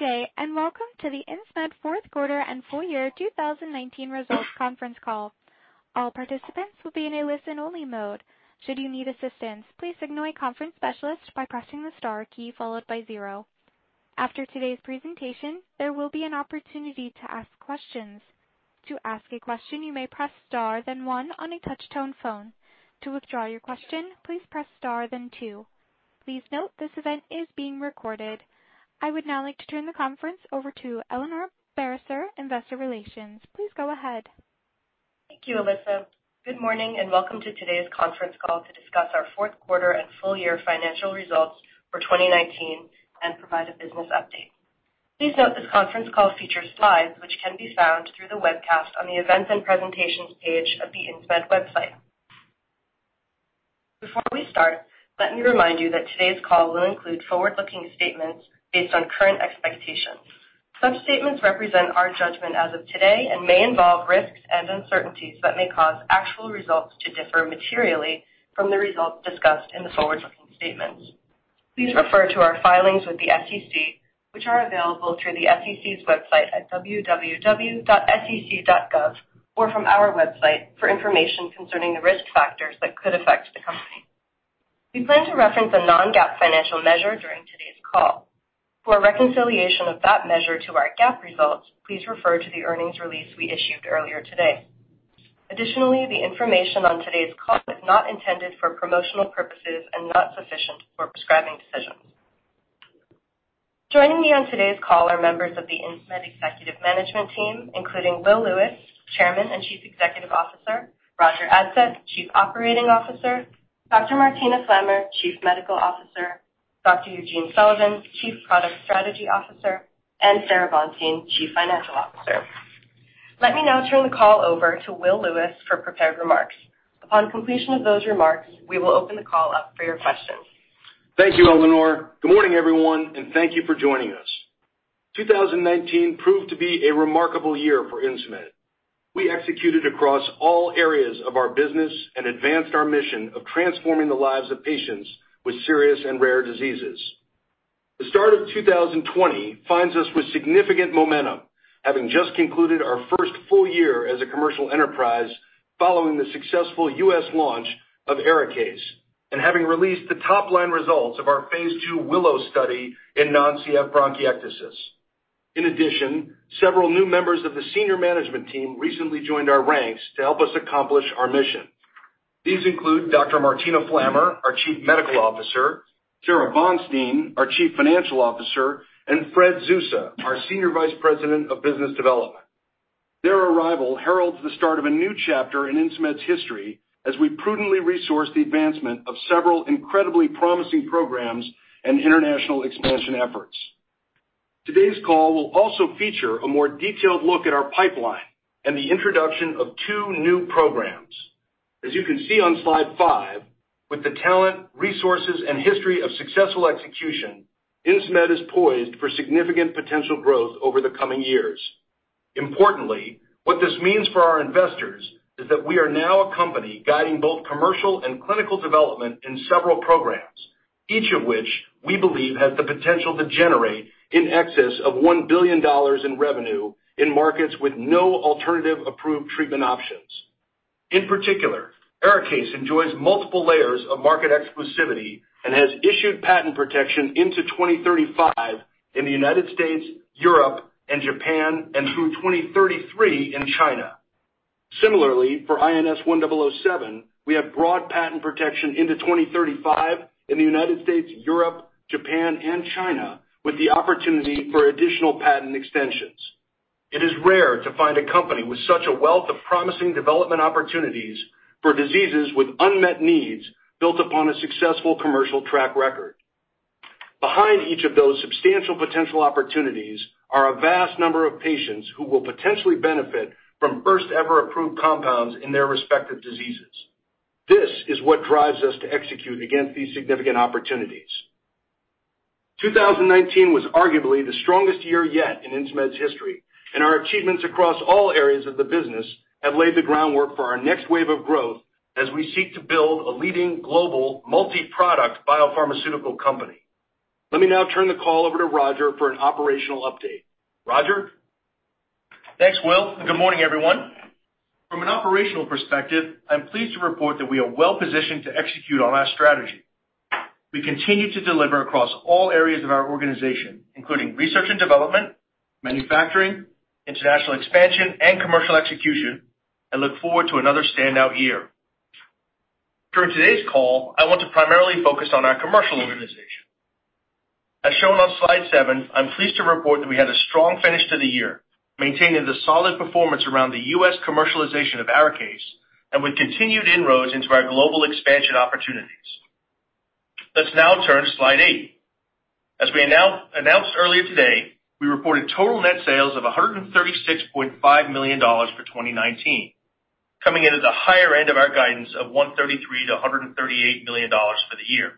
Good day, and welcome to the Insmed fourth quarter and full year 2019 results conference call. All participants will be in a listen-only mode. Should you need assistance, please signal a conference specialist by pressing the star key followed by zero. After today's presentation, there will be an opportunity to ask questions. To ask a question, you may press star, then one on a touch-tone phone. To withdraw your question, please press star, then two. Please note, this event is being recorded. I would now like to turn the conference over to Eleanor Barisser, Investor Relations. Please go ahead. Thank you, Alyssa. Good morning and welcome to today's conference call to discuss our fourth quarter and full year financial results for 2019 and provide a business update. Please note this conference call features slides which can be found through the webcast on the Events and Presentations page of the Insmed website. Before we start, let me remind you that today's call will include forward-looking statements based on current expectations. Such statements represent our judgment as of today and may involve risks and uncertainties that may cause actual results to differ materially from the results discussed in the forward-looking statements. Please refer to our filings with the SEC, which are available through the SEC's website at www.sec.gov or from our website for information concerning the risk factors that could affect the company. We plan to reference a non-GAAP financial measure during today's call. For a reconciliation of that measure to our GAAP results, please refer to the earnings release we issued earlier today. Additionally, the information on today's call is not intended for promotional purposes and not sufficient for prescribing decisions. Joining me on today's call are members of the Insmed executive management team, including Will Lewis, Chairman and Chief Executive Officer, Roger Adsett, Chief Operating Officer, Dr. Martina Flammer, Chief Medical Officer, Dr. Eugene Sullivan, Chief Product Strategy Officer, and Sara Bonstein, Chief Financial Officer. Let me now turn the call over to Will Lewis for prepared remarks. Upon completion of those remarks, we will open the call up for your questions. Thank you, Eleanor. Good morning, everyone, and thank you for joining us. 2019 proved to be a remarkable year for Insmed. We executed across all areas of our business and advanced our mission of transforming the lives of patients with serious and rare diseases. The start of 2020 finds us with significant momentum, having just concluded our first full year as a commercial enterprise following the successful U.S. launch of ARIKAYCE, and having released the top-line results of our phase II WILLOW study in non-CF bronchiectasis. In addition, several new members of the Senior Management Team recently joined our ranks to help us accomplish our mission. These include Dr. Martina Flammer, our Chief Medical Officer, Sara Bonstein, our Chief Financial Officer, and Frederic Zussa, our Senior Vice President of Business Development. Their arrival heralds the start of a new chapter in Insmed's history as we prudently resource the advancement of several incredibly promising programs and international expansion efforts. Today's call will also feature a more detailed look at our pipeline and the introduction of two new programs. As you can see on slide five, with the talent, resources, and history of successful execution, Insmed is poised for significant potential growth over the coming years. Importantly, what this means for our investors is that we are now a company guiding both commercial and clinical development in several programs, each of which we believe has the potential to generate in excess of $1 billion in revenue in markets with no alternative approved treatment options. In particular, ARIKAYCE enjoys multiple layers of market exclusivity and has issued patent protection into 2035 in the United States, Europe, and Japan, and through 2033 in China. Similarly, for INS1007, we have broad patent protection into 2035 in the United States, Europe, Japan, and China, with the opportunity for additional patent extensions. It is rare to find a company with such a wealth of promising development opportunities for diseases with unmet needs built upon a successful commercial track record. Behind each of those substantial potential opportunities are a vast number of patients who will potentially benefit from first-ever approved compounds in their respective diseases. This is what drives us to execute against these significant opportunities. 2019 was arguably the strongest year yet in Insmed's history, and our achievements across all areas of the business have laid the groundwork for our next wave of growth as we seek to build a leading global multi-product biopharmaceutical company. Let me now turn the call over to Roger for an operational update. Roger? Thanks, Will, and good morning, everyone. From an operational perspective, I'm pleased to report that we are well-positioned to execute on our strategy. We continue to deliver across all areas of our organization, including research and development, manufacturing, international expansion, and commercial execution, and look forward to another standout year. During today's call, I want to primarily focus on our commercial organization. As shown on slide seven, I'm pleased to report that we had a strong finish to the year, maintaining the solid performance around the U.S. commercialization of ARIKAYCE and with continued inroads into our global expansion opportunities. Let's now turn to slide eight. As we announced earlier today, we reported total net sales of $136.5 million for 2019, coming in at the higher end of our guidance of $133 million-$138 million for the year.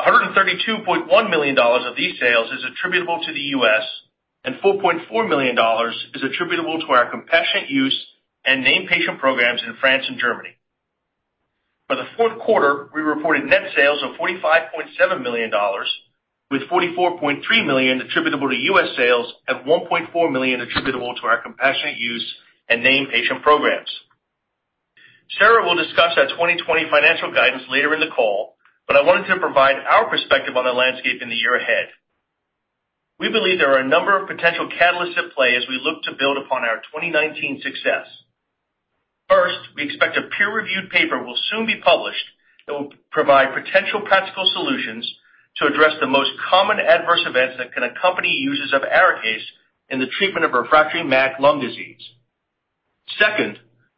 $132.1 million of these sales is attributable to the U.S., and $4.4 million is attributable to our compassionate use and named patient programs in France and Germany. For the fourth quarter, we reported net sales of $45.7 million, with $44.3 million attributable to U.S. sales and $1.4 million attributable to our compassionate use and named patient programs. Sara will discuss our 2020 financial guidance later in the call, I wanted to provide our perspective on the landscape in the year ahead. We believe there are a number of potential catalysts at play as we look to build upon our 2019 success. First, we expect a peer-reviewed paper will soon be published that will provide potential practical solutions to address the most common adverse events that can accompany uses of ARIKAYCE in the treatment of refractory MAC lung disease.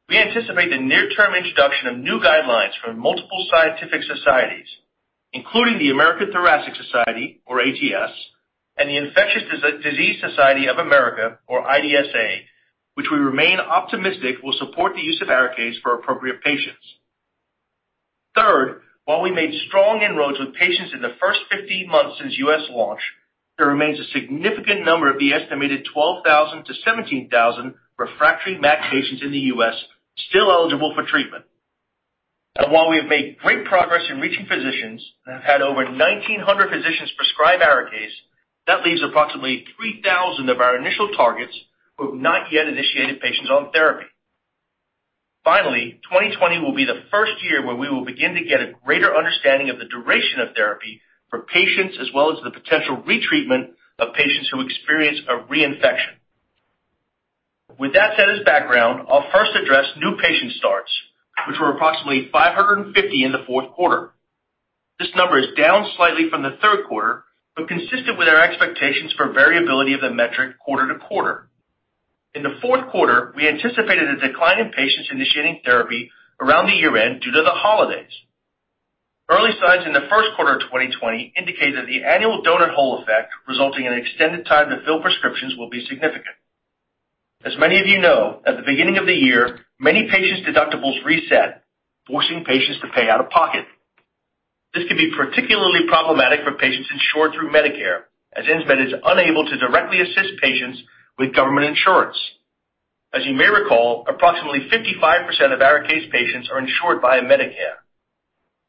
We anticipate the near-term introduction of new guidelines from multiple scientific societies, including the American Thoracic Society, or ATS, and the Infectious Diseases Society of America, or IDSA, which we remain optimistic will support the use of ARIKAYCE for appropriate patients. While we made strong inroads with patients in the first 15 months since U.S. launch, there remains a significant number of the estimated 12,000 to 17,000 refractory MAC patients in the U.S. still eligible for treatment. While we have made great progress in reaching physicians and have had over 1,900 physicians prescribe ARIKAYCE, that leaves approximately 3,000 of our initial targets who have not yet initiated patients on therapy. 2020 will be the first year where we will begin to get a greater understanding of the duration of therapy for patients, as well as the potential retreatment of patients who experience a reinfection. With that set as background, I'll first address new patient starts, which were approximately 550 in the fourth quarter. This number is down slightly from the third quarter, but consistent with our expectations for variability of the metric quarter-to-quarter. In the fourth quarter, we anticipated a decline in patients initiating therapy around the year-end due to the holidays. Early signs in the first quarter of 2020 indicate that the annual doughnut hole effect resulting in extended time to fill prescriptions will be significant. Many of you know, at the beginning of the year, many patients' deductibles reset, forcing patients to pay out of pocket. This can be particularly problematic for patients insured through Medicare, as Insmed is unable to directly assist patients with government insurance. You may recall, approximately 55% of ARIKAYCE patients are insured via Medicare.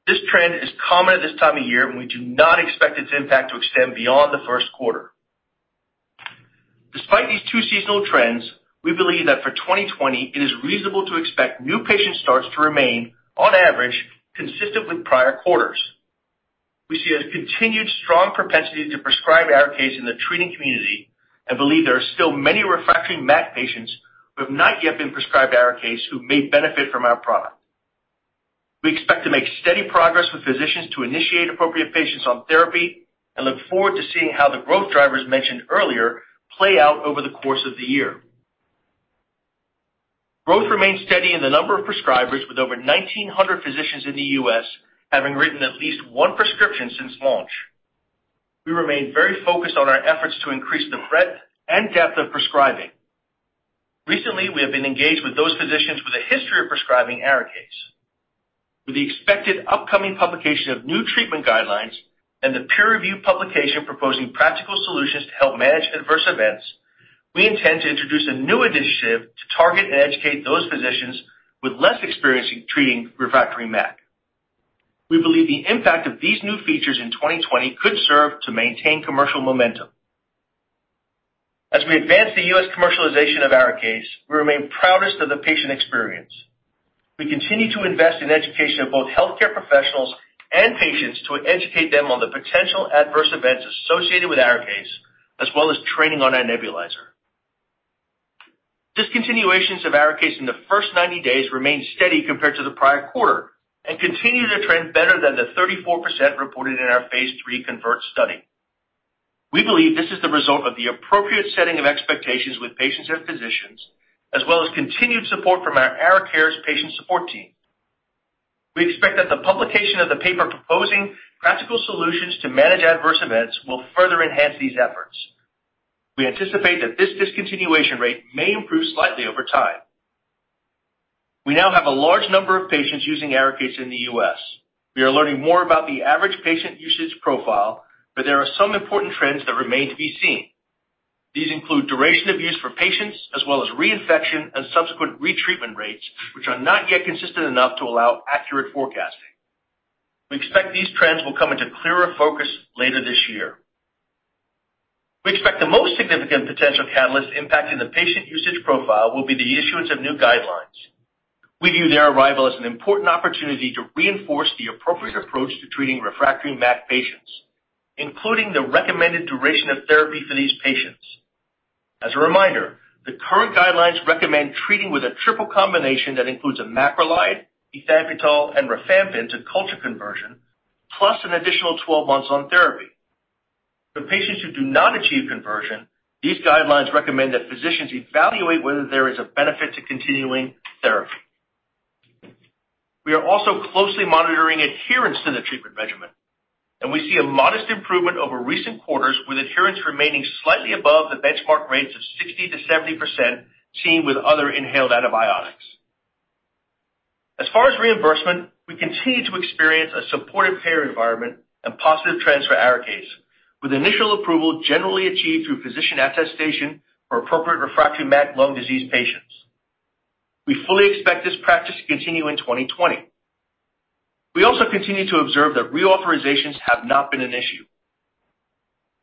This trend is common at this time of year, and we do not expect its impact to extend beyond the first quarter. Despite these two seasonal trends, we believe that for 2020 it is reasonable to expect new patient starts to remain, on average, consistent with prior quarters. We see a continued strong propensity to prescribe ARIKAYCE in the treating community and believe there are still many refractory MAC patients who have not yet been prescribed ARIKAYCE who may benefit from our product. We expect to make steady progress with physicians to initiate appropriate patients on therapy and look forward to seeing how the growth drivers mentioned earlier play out over the course of the year. Growth remains steady in the number of prescribers, with over 1,900 physicians in the U.S. having written at least one prescription since launch. We remain very focused on our efforts to increase the breadth and depth of prescribing. Recently, we have been engaged with those physicians with a history of prescribing ARIKAYCE. With the expected upcoming publication of new treatment guidelines and the peer review publication proposing practical solutions to help manage adverse events, we intend to introduce a new initiative to target and educate those physicians with less experience in treating refractory MAC. We believe the impact of these new features in 2020 could serve to maintain commercial momentum. As we advance the U.S. commercialization of ARIKAYCE, we remain proudest of the patient experience. We continue to invest in education of both healthcare professionals and patients to educate them on the potential adverse events associated with ARIKAYCE, as well as training on our nebulizer. Discontinuations of ARIKAYCE in the first 90 days remain steady compared to the prior quarter and continue to trend better than the 34% reported in our phase III CONVERT study. We believe this is the result of the appropriate setting of expectations with patients and physicians, as well as continued support from our ARA Cares patient support team. We expect that the publication of the paper proposing practical solutions to manage adverse events will further enhance these efforts. We anticipate that this discontinuation rate may improve slightly over time. We now have a large number of patients using ARIKAYCE in the U.S. We are learning more about the average patient usage profile, but there are some important trends that remain to be seen. These include duration of use for patients as well as reinfection and subsequent retreatment rates, which are not yet consistent enough to allow accurate forecasting. We expect these trends will come into clearer focus later this year. We expect the most significant potential catalyst impacting the patient usage profile will be the issuance of new guidelines. We view their arrival as an important opportunity to reinforce the appropriate approach to treating refractory MAC patients, including the recommended duration of therapy for these patients. As a reminder, the current guidelines recommend treating with a triple combination that includes a macrolide, ethambutol, and rifampin to culture conversion, plus an additional 12 months on therapy. For patients who do not achieve conversion, these guidelines recommend that physicians evaluate whether there is a benefit to continuing therapy. We are also closely monitoring adherence to the treatment regimen, and we see a modest improvement over recent quarters, with adherence remaining slightly above the benchmark rates of 60%-70% seen with other inhaled antibiotics. As far as reimbursement, we continue to experience a supportive payer environment and positive trends for ARIKAYCE. With initial approval generally achieved through physician attestation for appropriate refractory MAC lung disease patients. We fully expect this practice to continue in 2020. We also continue to observe that reauthorizations have not been an issue.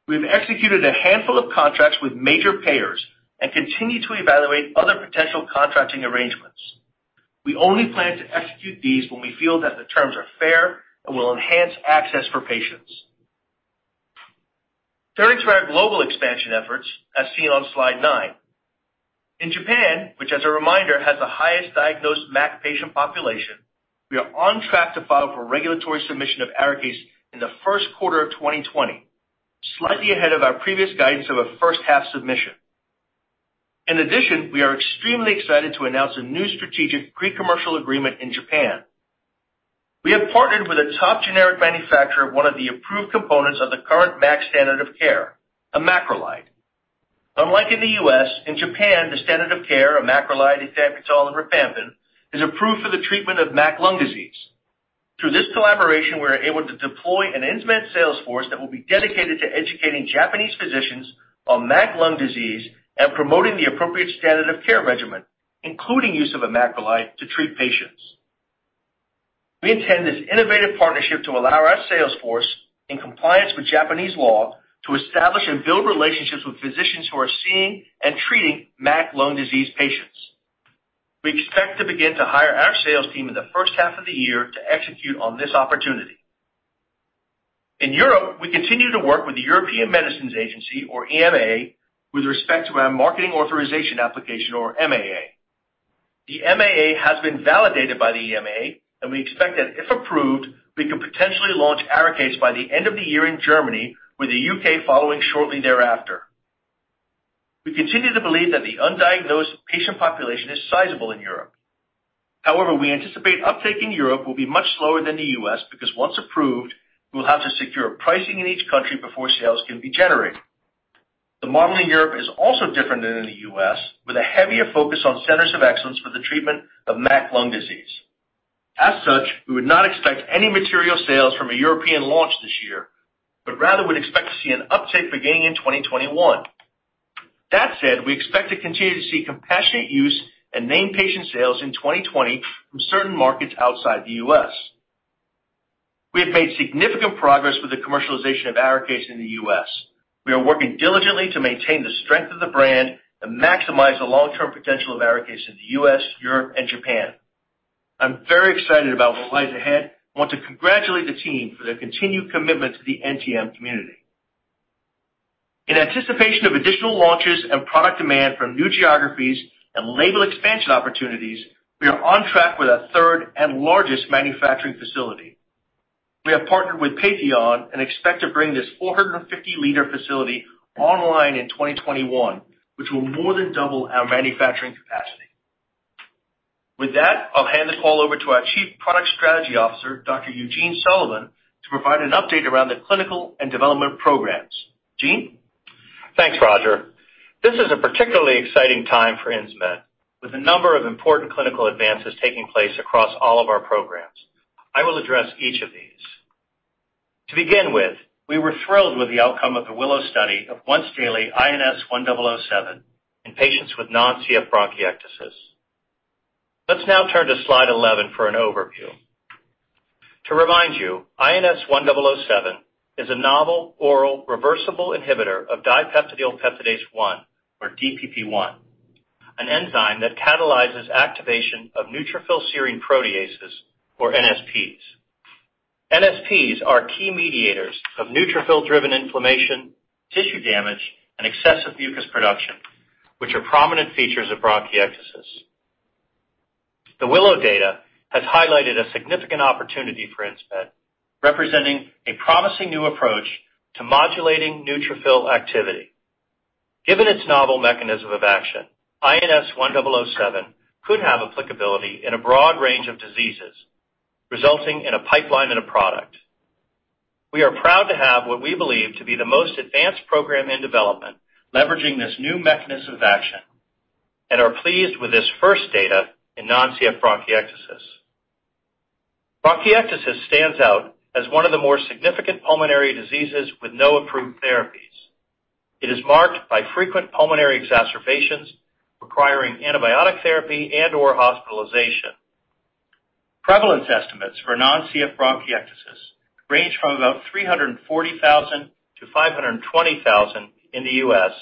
We have executed a handful of contracts with major payers and continue to evaluate other potential contracting arrangements. We only plan to execute these when we feel that the terms are fair and will enhance access for patients. Turning to our global expansion efforts, as seen on slide nine. In Japan, which as a reminder, has the highest diagnosed MAC patient population, we are on track to file for regulatory submission of ARIKAYCE in the first quarter of 2020, slightly ahead of our previous guidance of a first-half submission. In addition, we are extremely excited to announce a new strategic pre-commercial agreement in Japan. We have partnered with a top generic manufacturer of one of the approved components of the current MAC standard of care, azithromycin. Unlike in the U.S., in Japan, the standard of care, azithromycin, ethambutol, and rifampin, is approved for the treatment of MAC lung disease. Through this collaboration, we're able to deploy an Insmed sales force that will be dedicated to educating Japanese physicians on MAC lung disease and promoting the appropriate standard of care regimen, including use of azithromycin to treat patients. We intend this innovative partnership to allow our sales force, in compliance with Japanese law, to establish and build relationships with physicians who are seeing and treating MAC lung disease patients. We expect to begin to hire our sales team in the first half of the year to execute on this opportunity. In Europe, we continue to work with the European Medicines Agency, or EMA, with respect to our marketing authorization application or MAA. The MAA has been validated by the EMA, we expect that if approved, we can potentially launch ARIKAYCE by the end of the year in Germany, with the U.K. following shortly thereafter. We continue to believe that the undiagnosed patient population is sizable in Europe. We anticipate uptake in Europe will be much slower than the U.S. because once approved, we will have to secure pricing in each country before sales can be generated. The model in Europe is also different than in the U.S., with a heavier focus on centers of excellence for the treatment of MAC lung disease. We would not expect any material sales from a European launch this year, but rather would expect to see an uptick beginning in 2021. That said, we expect to continue to see compassionate use and named patient sales in 2020 from certain markets outside the U.S. We have made significant progress with the commercialization of ARIKAYCE in the U.S. We are working diligently to maintain the strength of the brand and maximize the long-term potential of ARIKAYCE in the U.S., Europe, and Japan. I'm very excited about what lies ahead and want to congratulate the team for their continued commitment to the NTM community. In anticipation of additional launches and product demand from new geographies and label expansion opportunities, we are on track with our third and largest manufacturing facility. We have partnered with Patheon and expect to bring this 450-liter facility online in 2021, which will more than double our manufacturing capacity. With that, I'll hand the call over to our Chief Product Strategy Officer, Dr. Eugene Sullivan, to provide an update around the clinical and development programs. Gene? Thanks, Roger. This is a particularly exciting time for Insmed, with a number of important clinical advances taking place across all of our programs. I will address each of these. To begin with, we were thrilled with the outcome of the WILLOW study of once-daily INS1007 in patients with non-CF bronchiectasis. Let's now turn to slide 11 for an overview. To remind you, INS1007 is a novel oral reversible inhibitor of Dipeptidyl peptidase 1, or DPP1, an enzyme that catalyzes activation of Neutrophil Serine Proteases, or NSPs. NSPs are key mediators of neutrophil-driven inflammation, tissue damage, and excessive mucus production, which are prominent features of bronchiectasis. The WILLOW data has highlighted a significant opportunity for Insmed, representing a promising new approach to modulating neutrophil activity. Given its novel mechanism of action, INS1007 could have applicability in a broad range of diseases, resulting in a pipeline and a product. We are proud to have what we believe to be the most advanced program in development leveraging this new mechanism of action and are pleased with this first data in non-CF bronchiectasis. Bronchiectasis stands out as one of the more significant pulmonary diseases with no approved therapies. It is marked by frequent pulmonary exacerbations requiring antibiotic therapy and/or hospitalization. Prevalence estimates for non-CF bronchiectasis range from about 340,000 to 520,000 in the U.S.,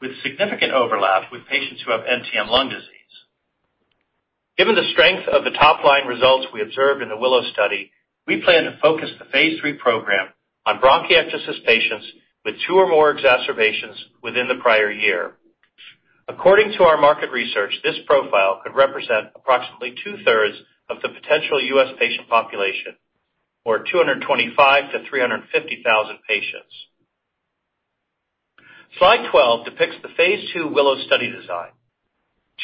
with significant overlap with patients who have NTM lung disease. Given the strength of the top-line results we observed in the WILLOW study, we plan to focus the phase III program on bronchiectasis patients with two or more exacerbations within the prior year. According to our market research, this profile could represent approximately two-thirds of the potential U.S. patient population or 225,000-350,000 patients. Slide 12 depicts the phase II WILLOW study design.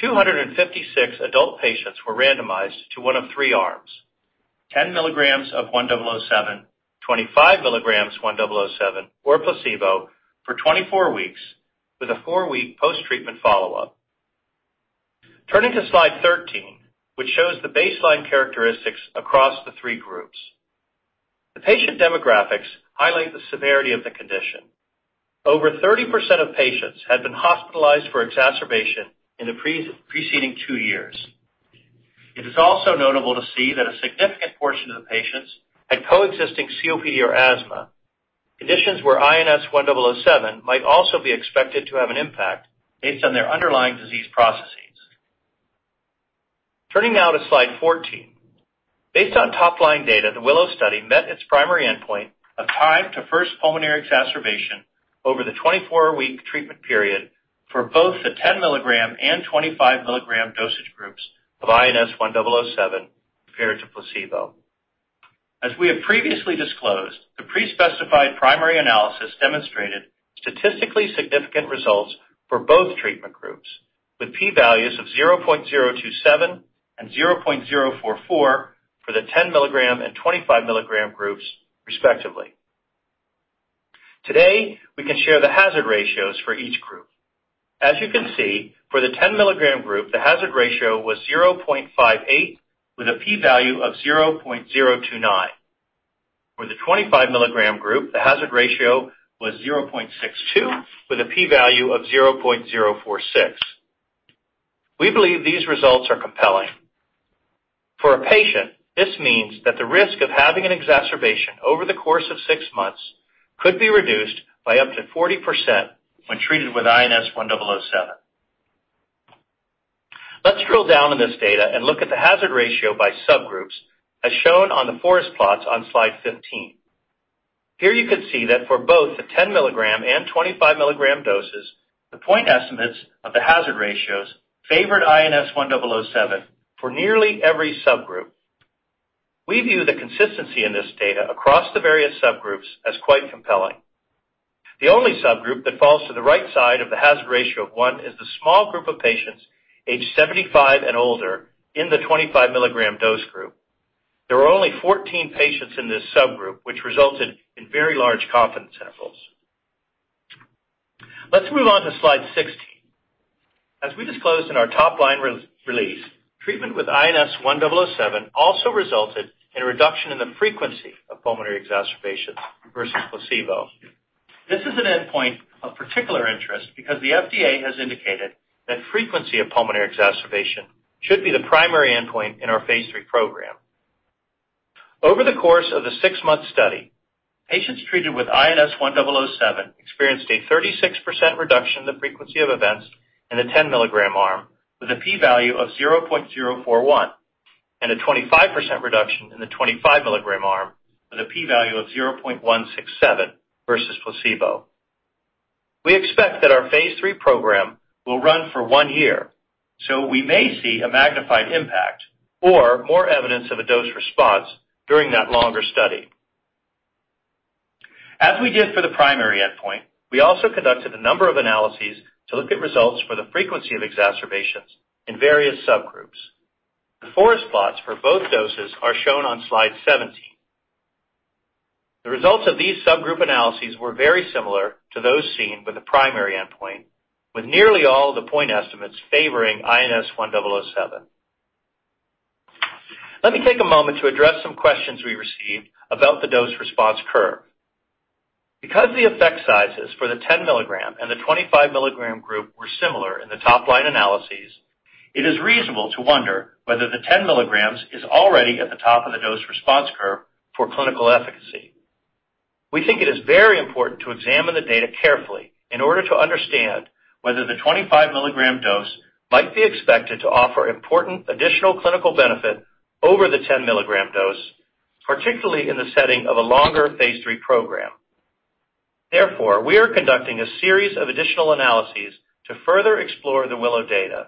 256 adult patients were randomized to one of three arms, 10 milligrams of INS1007, 25 milligrams INS1007, or placebo for 24 weeks with a 4-week post-treatment follow-up. Turning to slide 13, which shows the baseline characteristics across the three groups. The patient demographics highlight the severity of the condition. Over 30% of patients had been hospitalized for exacerbation in the preceding 2 years. It is also notable to see that a significant portion of the patients had coexisting COPD or asthma, conditions where INS1007 might also be expected to have an impact based on their underlying disease processes. Turning now to slide 14. Based on top-line data, the WILLOW study met its primary endpoint of time to first pulmonary exacerbation over the 24-week treatment period for both the 10 milligram and 25 milligram dosage groups of INS1007 compared to placebo. As we have previously disclosed, the pre-specified primary analysis demonstrated statistically significant results for both treatment groups, with P values of 0.027 and 0.044 for the 10 milligram and 25 milligram groups, respectively. Today, we can share the hazard ratios for each group. As you can see, for the 10 milligram group, the hazard ratio was 0.58 with a P value of 0.029. For the 25 milligram group, the hazard ratio was 0.62 with a P value of 0.046. We believe these results are compelling. For a patient, this means that the risk of having an exacerbation over the course of six months could be reduced by up to 40% when treated with INS1007. Let's drill down on this data and look at the hazard ratio by subgroups as shown on the forest plots on slide 15. Here you can see that for both the 10 milligram and 25 milligram doses, the point estimates of the hazard ratios favored INS1007 for nearly every subgroup. We view the consistency in this data across the various subgroups as quite compelling. The only subgroup that falls to the right side of the hazard ratio of one is the small group of patients aged 75 and older in the 25 milligram dose group. There were only 14 patients in this subgroup, which resulted in very large confidence intervals. Let's move on to slide 16. As we disclosed in our top-line release, treatment with INS1007 also resulted in a reduction in the frequency of pulmonary exacerbations versus placebo. This is an endpoint of particular interest because the FDA has indicated that frequency of pulmonary exacerbation should be the primary endpoint in our phase III program. Over the course of the six-month study, patients treated with INS1007 experienced a 36% reduction in the frequency of events in the 10 milligram arm with a P value of 0.041 and a 25% reduction in the 25 milligram arm with a P value of 0.167 versus placebo. We expect that our phase III program will run for one year, we may see a magnified impact or more evidence of a dose response during that longer study. As we did for the primary endpoint, we also conducted a number of analyses to look at results for the frequency of exacerbations in various subgroups. The forest plots for both doses are shown on slide 17. The results of these subgroup analyses were very similar to those seen with the primary endpoint, with nearly all the point estimates favoring INS1007. Let me take a moment to address some questions we received about the dose response curve. Because the effect sizes for the 10 milligram and the 25 milligram group were similar in the top-line analyses, it is reasonable to wonder whether the 10 milligrams is already at the top of the dose response curve for clinical efficacy. We think it is very important to examine the data carefully in order to understand whether the 25 milligram dose might be expected to offer important additional clinical benefit over the 10 milligram dose, particularly in the setting of a longer phase III program. Therefore, we are conducting a series of additional analyses to further explore the WILLOW data.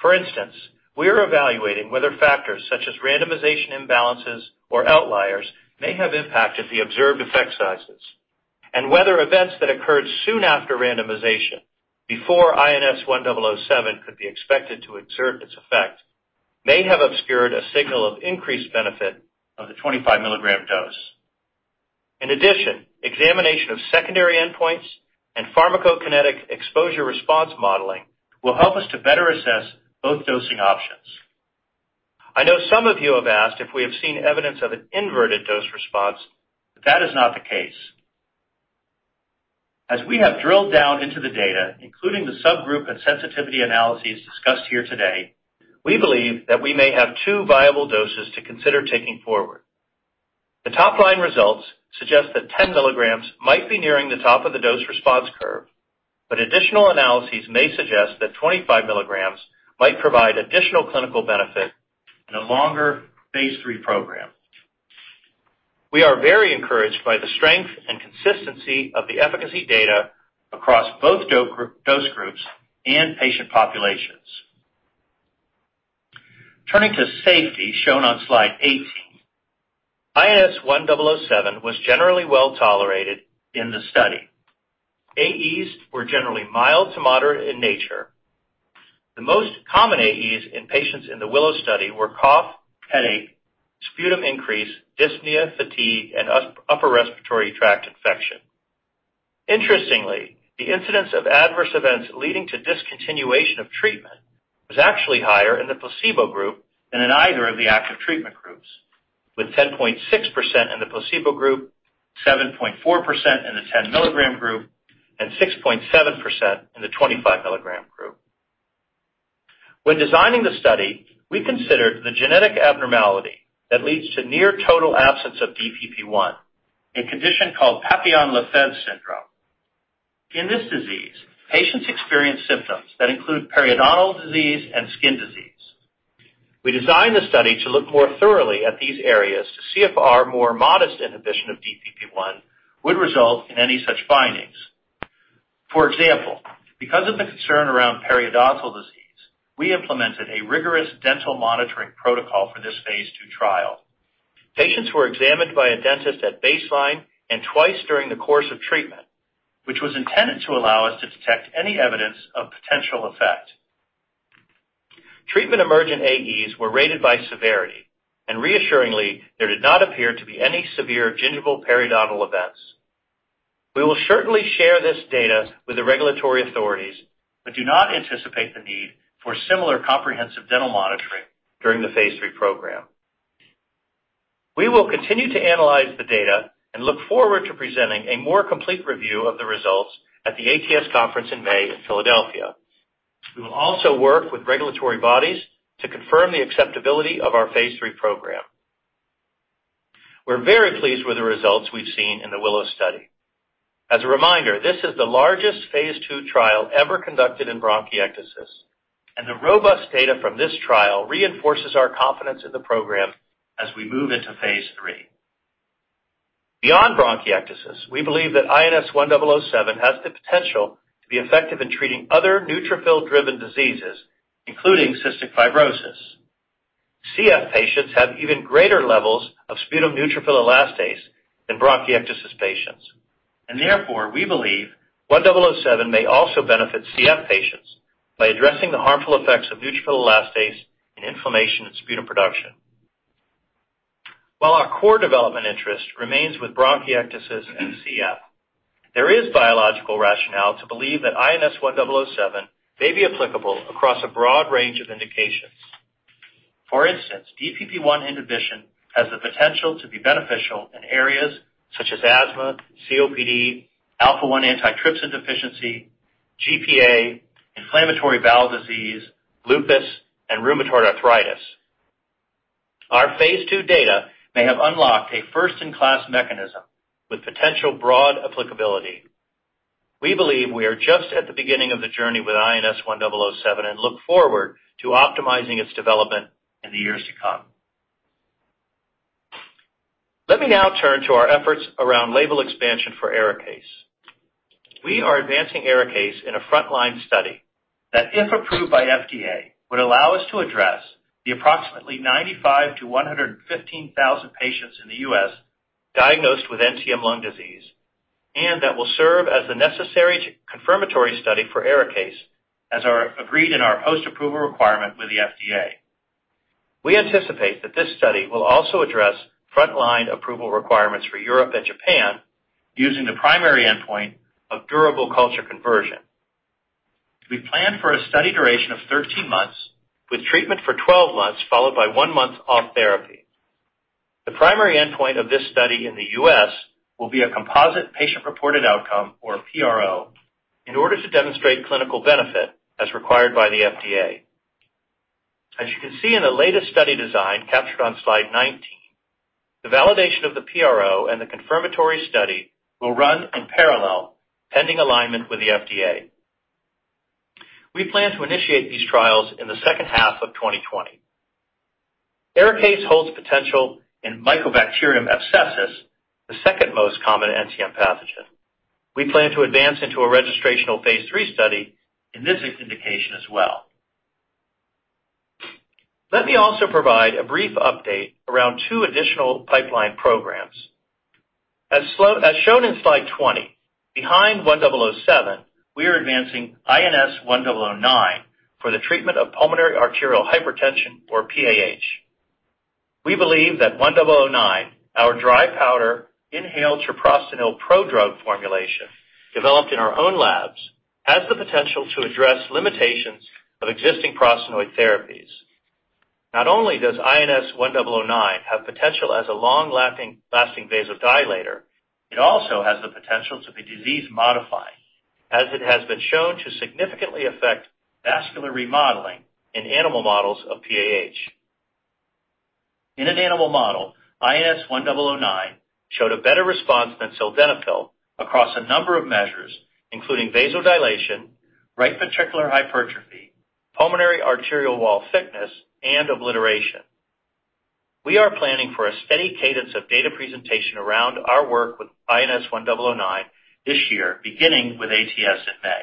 For instance, we are evaluating whether factors such as randomization imbalances or outliers may have impacted the observed effect sizes and whether events that occurred soon after randomization before INS1007 could be expected to exert its effect may have obscured a signal of increased benefit of the 25 milligram dose. In addition, examination of secondary endpoints and pharmacokinetic exposure response modeling will help us to better assess both dosing options. I know some of you have asked if we have seen evidence of an inverted dose response. That is not the case. As we have drilled down into the data, including the subgroup and sensitivity analyses discussed here today, we believe that we may have two viable doses to consider taking forward. The top-line results suggest that 10 milligrams might be nearing the top of the dose response curve, but additional analyses may suggest that 25 milligrams might provide additional clinical benefit in a longer phase III program. We are very encouraged by the strength and consistency of the efficacy data across both dose groups and patient populations. Turning to safety shown on slide 18. INS1007 was generally well-tolerated in the study. AEs were generally mild to moderate in nature. The most common AEs in patients in the WILLOW study were cough, headache, sputum increase, dyspnea, fatigue, and upper respiratory tract infection. Interestingly, the incidence of adverse events leading to discontinuation of treatment was actually higher in the placebo group than in either of the active treatment groups, with 10.6% in the placebo group, 7.4% in the 10 milligram group, and 6.7% in the 25 milligram group. When designing the study, we considered the genetic abnormality that leads to near total absence of DPP1, a condition called Papillon-Lefèvre syndrome. In this disease, patients experience symptoms that include periodontal disease and skin disease. We designed the study to look more thoroughly at these areas to see if our more modest inhibition of DPP1 would result in any such findings. For example, because of the concern around periodontal disease, we implemented a rigorous dental monitoring protocol for this phase II trial. Patients were examined by a dentist at baseline and twice during the course of treatment, which was intended to allow us to detect any evidence of potential effect. Treatment emergent AEs were rated by severity, and reassuringly, there did not appear to be any severe gingival periodontal events. We will certainly share this data with the regulatory authorities but do not anticipate the need for similar comprehensive dental monitoring during the phase III program. We will continue to analyze the data and look forward to presenting a more complete review of the results at the ATS conference in May in Philadelphia. We will also work with regulatory bodies to confirm the acceptability of our phase III program. We're very pleased with the results we've seen in the WILLOW study. As a reminder, this is the largest phase II trial ever conducted in bronchiectasis, and the robust data from this trial reinforces our confidence in the program as we move into phase III. Beyond bronchiectasis, we believe that INS1007 has the potential to be effective in treating other neutrophil-driven diseases, including cystic fibrosis. CF patients have even greater levels of sputum neutrophil elastase than bronchiectasis patients, and therefore, we believe 1007 may also benefit CF patients by addressing the harmful effects of neutrophil elastase and inflammation in sputum production. While our core development interest remains with bronchiectasis and CF, there is biological rationale to believe that INS1007 may be applicable across a broad range of indications. For instance, DPP1 inhibition has the potential to be beneficial in areas such as asthma, COPD, alpha-1 antitrypsin deficiency, GPA, inflammatory bowel disease, lupus, and rheumatoid arthritis. Our phase II data may have unlocked a first-in-class mechanism with potential broad applicability. We believe we are just at the beginning of the journey with INS1007 and look forward to optimizing its development in the years to come. Let me now turn to our efforts around label expansion for ARIKAYCE. We are advancing ARIKAYCE in a frontline study that, if approved by FDA, would allow us to address the approximately 95,000-115,000 patients in the U.S. diagnosed with NTM lung disease, and that will serve as the necessary confirmatory study for ARIKAYCE as are agreed in our post-approval requirement with the FDA. We anticipate that this study will also address frontline approval requirements for Europe and Japan using the primary endpoint of durable culture conversion. We plan for a study duration of 13 months, with treatment for 12 months followed by one month off therapy. The primary endpoint of this study in the U.S. will be a composite patient-reported outcome, or PRO, in order to demonstrate clinical benefit as required by the FDA. As you can see in the latest study design captured on slide 19, the validation of the PRO and the confirmatory study will run in parallel pending alignment with the FDA. We plan to initiate these trials in the second half of 2020. ARIKAYCE holds potential in Mycobacterium abscessus, the second most common NTM pathogen. We plan to advance into a registrational phase III study in this indication as well. Let me also provide a brief update around two additional pipeline programs. As shown in slide 20, behind 1007, we are advancing INS1009 for the treatment of pulmonary arterial hypertension, or PAH. We believe that INS1009, our dry powder inhaled treprostinil prodrug formulation developed in our own labs, has the potential to address limitations of existing prostanoid therapies. Not only does INS1009 have potential as a long-lasting vasodilator, it also has the potential to be disease modifying, as it has been shown to significantly affect vascular remodeling in animal models of PAH. In an animal model, INS1009 showed a better response than sildenafil across a number of measures, including vasodilation, right ventricular hypertrophy, pulmonary arterial wall thickness, and obliteration. We are planning for a steady cadence of data presentation around our work with INS1009 this year, beginning with ATS in May.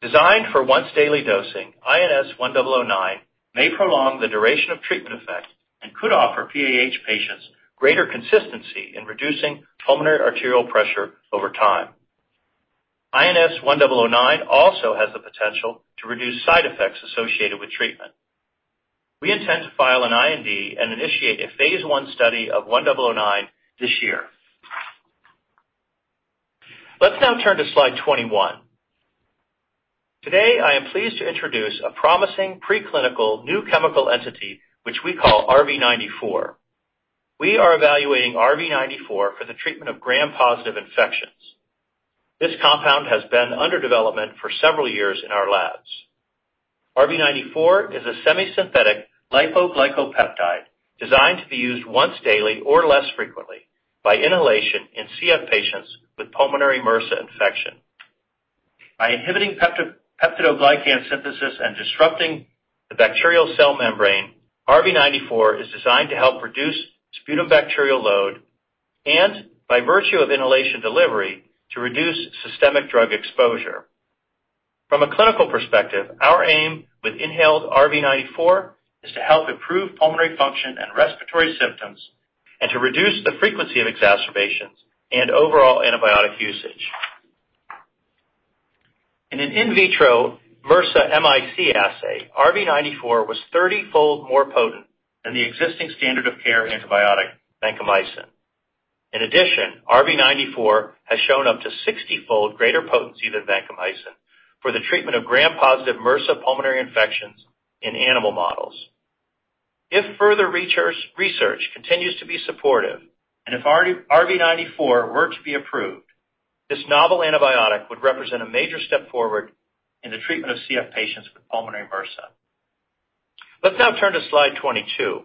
Designed for once-daily dosing, INS1009 may prolong the duration of treatment effect and could offer PAH patients greater consistency in reducing pulmonary arterial pressure over time. INS1009 also has the potential to reduce side effects associated with treatment. We intend to file an IND and initiate a phase I study of INS1009 this year. Let's now turn to slide 21. Today, I am pleased to introduce a promising preclinical new chemical entity, which we call RV94. We are evaluating RV94 for the treatment of gram-positive infections. This compound has been under development for several years in our labs. RV94 is a semi-synthetic lipoglycopeptide designed to be used once daily or less frequently by inhalation in CF patients with pulmonary MRSA infection. By inhibiting peptidoglycan synthesis and disrupting the bacterial cell membrane, RV94 is designed to help reduce sputum bacterial load, and by virtue of inhalation delivery, to reduce systemic drug exposure. From a clinical perspective, our aim with inhaled RV94 is to help improve pulmonary function and respiratory symptoms and to reduce the frequency of exacerbations and overall antibiotic usage. In an in vitro MRSA MIC assay, RV94 was 30-fold more potent than the existing standard of care antibiotic, vancomycin. In addition, RV94 has shown up to 60-fold greater potency than vancomycin for the treatment of gram-positive MRSA pulmonary infections in animal models. If further research continues to be supportive, and if RV94 were to be approved, this novel antibiotic would represent a major step forward in the treatment of CF patients with pulmonary MRSA. Let's now turn to slide 22.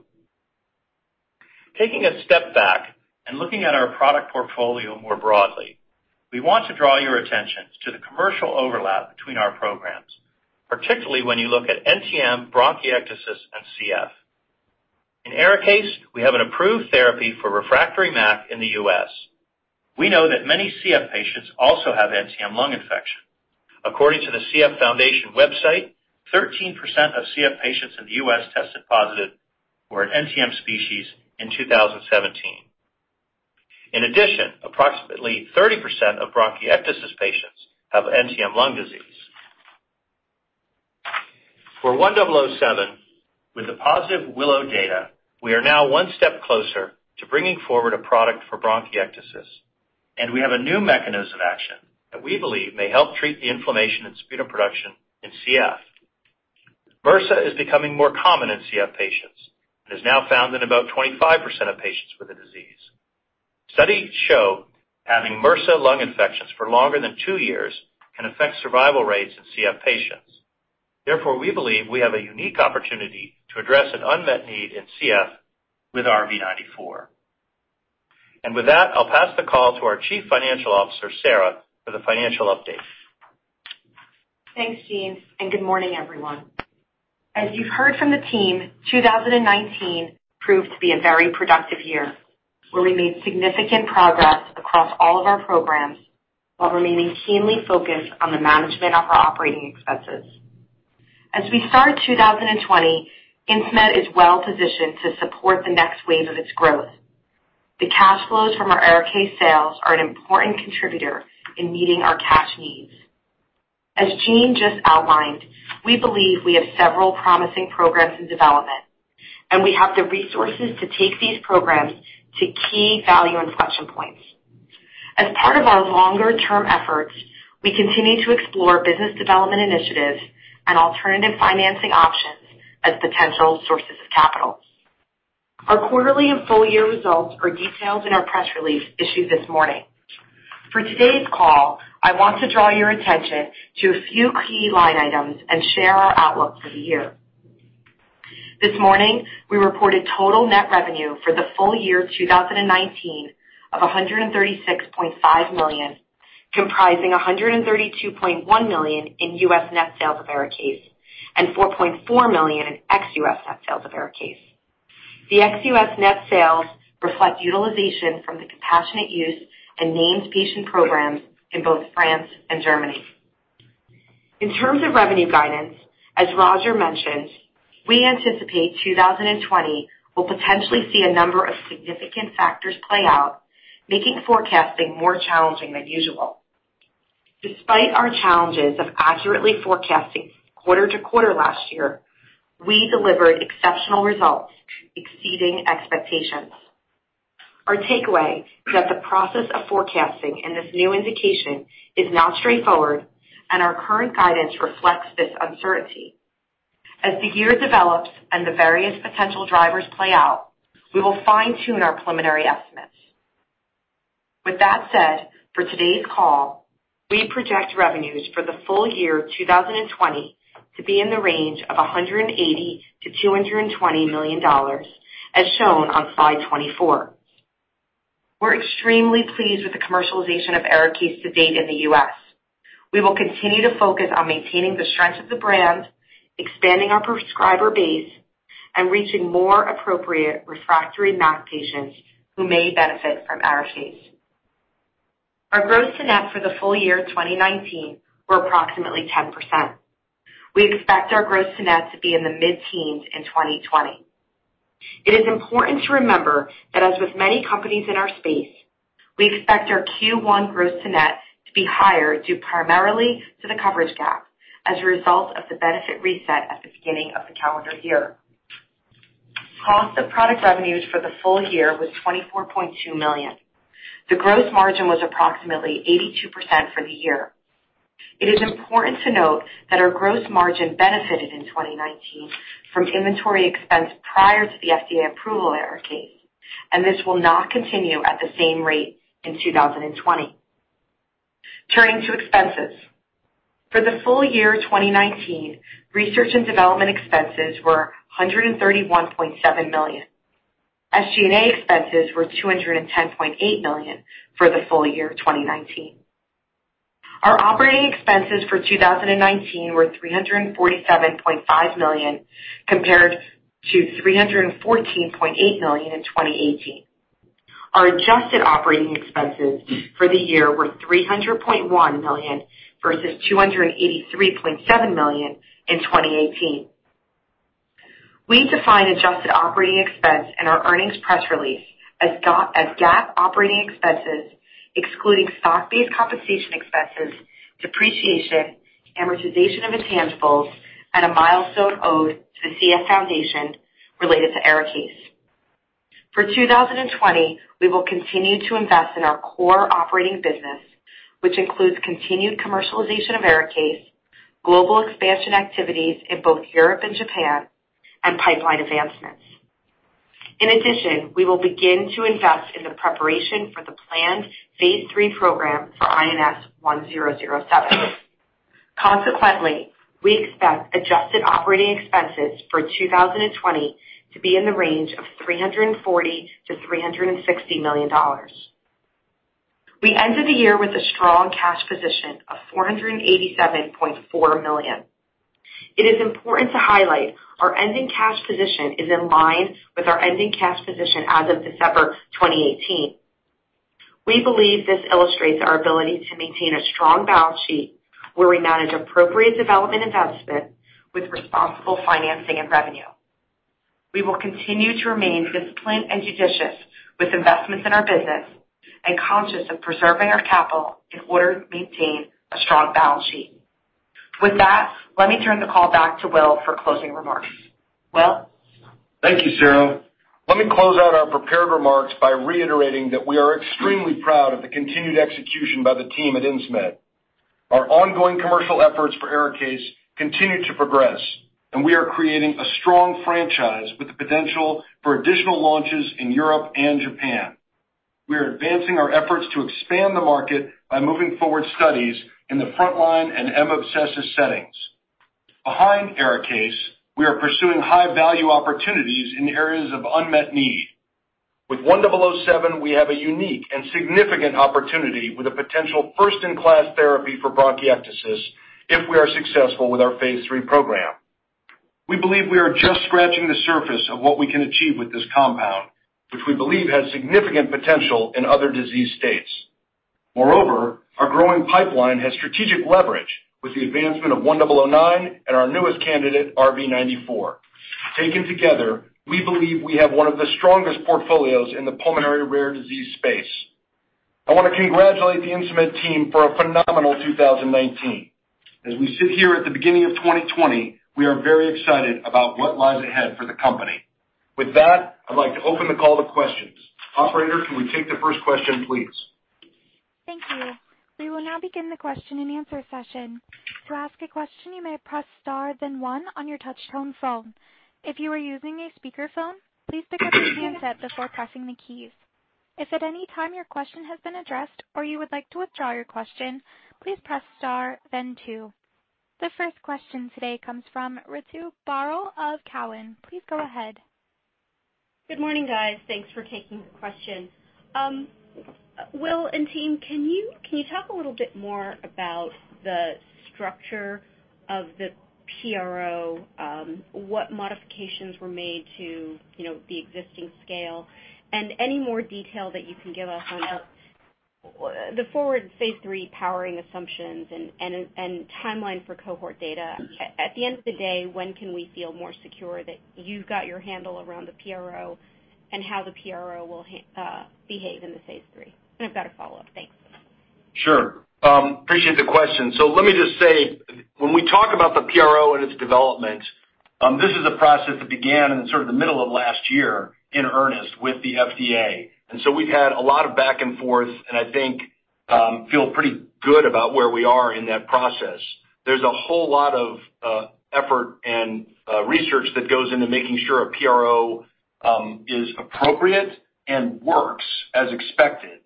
Taking a step back and looking at our product portfolio more broadly, we want to draw your attention to the commercial overlap between our programs, particularly when you look at NTM, bronchiectasis, and CF. In ARIKAYCE, we have an approved therapy for refractory MAC in the U.S. We know that many CF patients also have NTM lung infection. According to the CF Foundation website, 13% of CF patients in the U.S. tested positive for an NTM species in 2017. In addition, approximately 30% of bronchiectasis patients have NTM lung disease. For INS1007, with the positive WILLOW data, we are now one step closer to bringing forward a product for bronchiectasis, and we have a new mechanism of action that we believe may help treat the inflammation and sputum production in CF. MRSA is becoming more common in CF patients and is now found in about 25% of patients with the disease. Studies show having MRSA lung infections for longer than two years can affect survival rates in CF patients. Therefore, we believe we have a unique opportunity to address an unmet need in CF with RV94. With that, I'll pass the call to our Chief Financial Officer, Sara, for the financial update. Thanks, Gene, and good morning, everyone. As you've heard from the team, 2019 proved to be a very productive year, where we made significant progress across all of our programs while remaining keenly focused on the management of our operating expenses. As we start 2020, Insmed is well positioned to support the next wave of its growth. The cash flows from our ARIKAYCE sales are an important contributor in meeting our cash needs. As Gene just outlined, we believe we have several promising programs in development, and we have the resources to take these programs to key value inflection points. As part of our longer-term efforts, we continue to explore business development initiatives and alternative financing options as potential sources of capital. Our quarterly and full-year results are detailed in our press release issued this morning. For today's call, I want to draw your attention to a few key line items and share our outlook for the year. This morning, we reported total net revenue for the full year 2019 of $136.5 million, comprising $132.1 million in U.S. net sales of ARIKAYCE and $4.4 million in ex-U.S. net sales of ARIKAYCE. The ex-U.S. net sales reflect utilization from the compassionate use and named patient programs in both France and Germany. In terms of revenue guidance, as Roger mentioned, we anticipate 2020 will potentially see a number of significant factors play out, making forecasting more challenging than usual. Despite our challenges of accurately forecasting quarter to quarter last year, we delivered exceptional results exceeding expectations. Our takeaway is that the process of forecasting in this new indication is not straightforward, and our current guidance reflects this uncertainty. As the year develops and the various potential drivers play out, we will fine-tune our preliminary estimates. With that said, for today's call, we project revenues for the full year 2020 to be in the range of $180 million-$220 million, as shown on slide 24. We're extremely pleased with the commercialization of ARIKAYCE to date in the U.S. We will continue to focus on maintaining the strength of the brand, expanding our prescriber base, and reaching more appropriate refractory MAC patients who may benefit from ARIKAYCE. Our gross to net for the full year 2019 were approximately 10%. We expect our gross to net to be in the mid-teens in 2020. It is important to remember that as with many companies in our space, we expect our Q1 gross to net to be higher, due primarily to the coverage gap as a result of the benefit reset at the beginning of the calendar year. Cost of product revenues for the full year was $24.2 million. The gross margin was approximately 82% for the year. It is important to note that our gross margin benefited in 2019 from inventory expense prior to the FDA approval ARIKAYCE, and this will not continue at the same rate in 2020. Turning to expenses. For the full year 2019, research and development expenses were $131.7 million. SG&A expenses were $210.8 million for the full year of 2019. Our operating expenses for 2019 were $347.5 million compared to $314.8 million in 2018. Our adjusted operating expenses for the year were $300.1 million versus $283.7 million in 2018. We define adjusted operating expense in our earnings press release as GAAP operating expenses, excluding stock-based compensation expenses, depreciation, amortization of intangibles, and a milestone owed to the CF Foundation related to ARIKAYCE. For 2020, we will continue to invest in our core operating business, which includes continued commercialization of ARIKAYCE, global expansion activities in both Europe and Japan, and pipeline advancements. In addition, we will begin to invest in the preparation for the planned phase III program for INS1007. Consequently, we expect adjusted operating expenses for 2020 to be in the range of $340 million-$360 million. We ended the year with a strong cash position of $487.4 million. It is important to highlight our ending cash position is in line with our ending cash position as of December 2018. We believe this illustrates our ability to maintain a strong balance sheet, where we manage appropriate development investment with responsible financing and revenue. We will continue to remain disciplined and judicious with investments in our business and conscious of preserving our capital in order to maintain a strong balance sheet. With that, let me turn the call back to Will for closing remarks. Will? Thank you, Sara. Let me close out our prepared remarks by reiterating that we are extremely proud of the continued execution by the team at Insmed. Our ongoing commercial efforts for ARIKAYCE continue to progress. We are creating a strong franchise with the potential for additional launches in Europe and Japan. We are advancing our efforts to expand the market by moving forward studies in the frontline and M. abscessus settings. Behind ARIKAYCE, we are pursuing high-value opportunities in areas of unmet need. With INS1007, we have a unique and significant opportunity with a potential first-in-class therapy for bronchiectasis if we are successful with our phase III program. We believe we are just scratching the surface of what we can achieve with this compound, which we believe has significant potential in other disease states. Moreover, our growing pipeline has strategic leverage with the advancement of INS1009 and our newest candidate, RV94. Taken together, we believe we have one of the strongest portfolios in the pulmonary rare disease space. I want to congratulate the Insmed team for a phenomenal 2019. As we sit here at the beginning of 2020, we are very excited about what lies ahead for the company. With that, I'd like to open the call to questions. Operator, can we take the first question, please? Thank you. We will now begin the question and answer session. To ask a question, you may press star then one on your touch tone phone. If you are using a speakerphone, please pick up your handset before pressing the keys. If at any time your question has been addressed or you would like to withdraw your question, please press star then two. The first question today comes from Ritu Baral of Cowen. Please go ahead. Good morning, guys. Thanks for taking the question. Will and team, can you talk a little bit more about the structure of the PRO? What modifications were made to the existing scale? Any more detail that you can give us on the forward phase III powering assumptions and timeline for cohort data. At the end of the day, when can we feel more secure that you've got your handle around the PRO and how the PRO will behave in the phase III? I've got a follow-up. Thanks. Sure. Appreciate the question. Let me just say, when we talk about the PRO and its development, this is a process that began in sort of the middle of last year in earnest with the FDA. We've had a lot of back and forth, and I think feel pretty good about where we are in that process. There's a whole lot of effort and research that goes into making sure a PRO is appropriate and works as expected.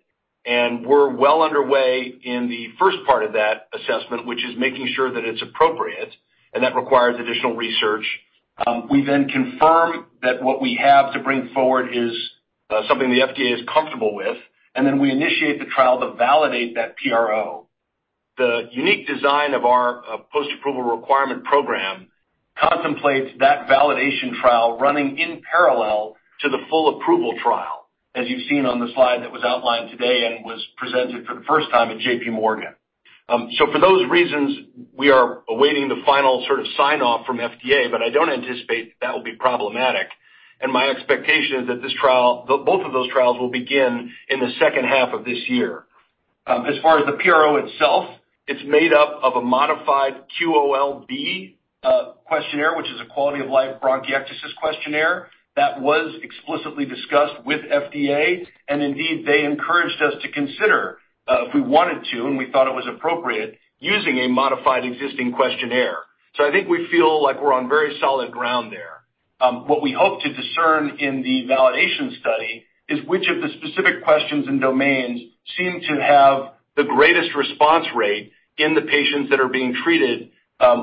We're well underway in the first part of that assessment, which is making sure that it's appropriate, and that requires additional research. We confirm that what we have to bring forward is something the FDA is comfortable with, and then we initiate the trial to validate that PRO. The unique design of our post-approval requirement program contemplates that validation trial running in parallel to the full approval trial, as you've seen on the slide that was outlined today and was presented for the first time at JPMorgan. For those reasons, we are awaiting the final sort of sign-off from FDA, but I don't anticipate that will be problematic. My expectation is that both of those trials will begin in the second half of this year. As far as the PRO itself, it's made up of a modified QOL-B questionnaire, which is a quality of life bronchiectasis questionnaire that was explicitly discussed with FDA. Indeed, they encouraged us to consider if we wanted to, and we thought it was appropriate using a modified existing questionnaire. I think we feel like we're on very solid ground there. What we hope to discern in the validation study is which of the specific questions and domains seem to have the greatest response rate in the patients that are being treated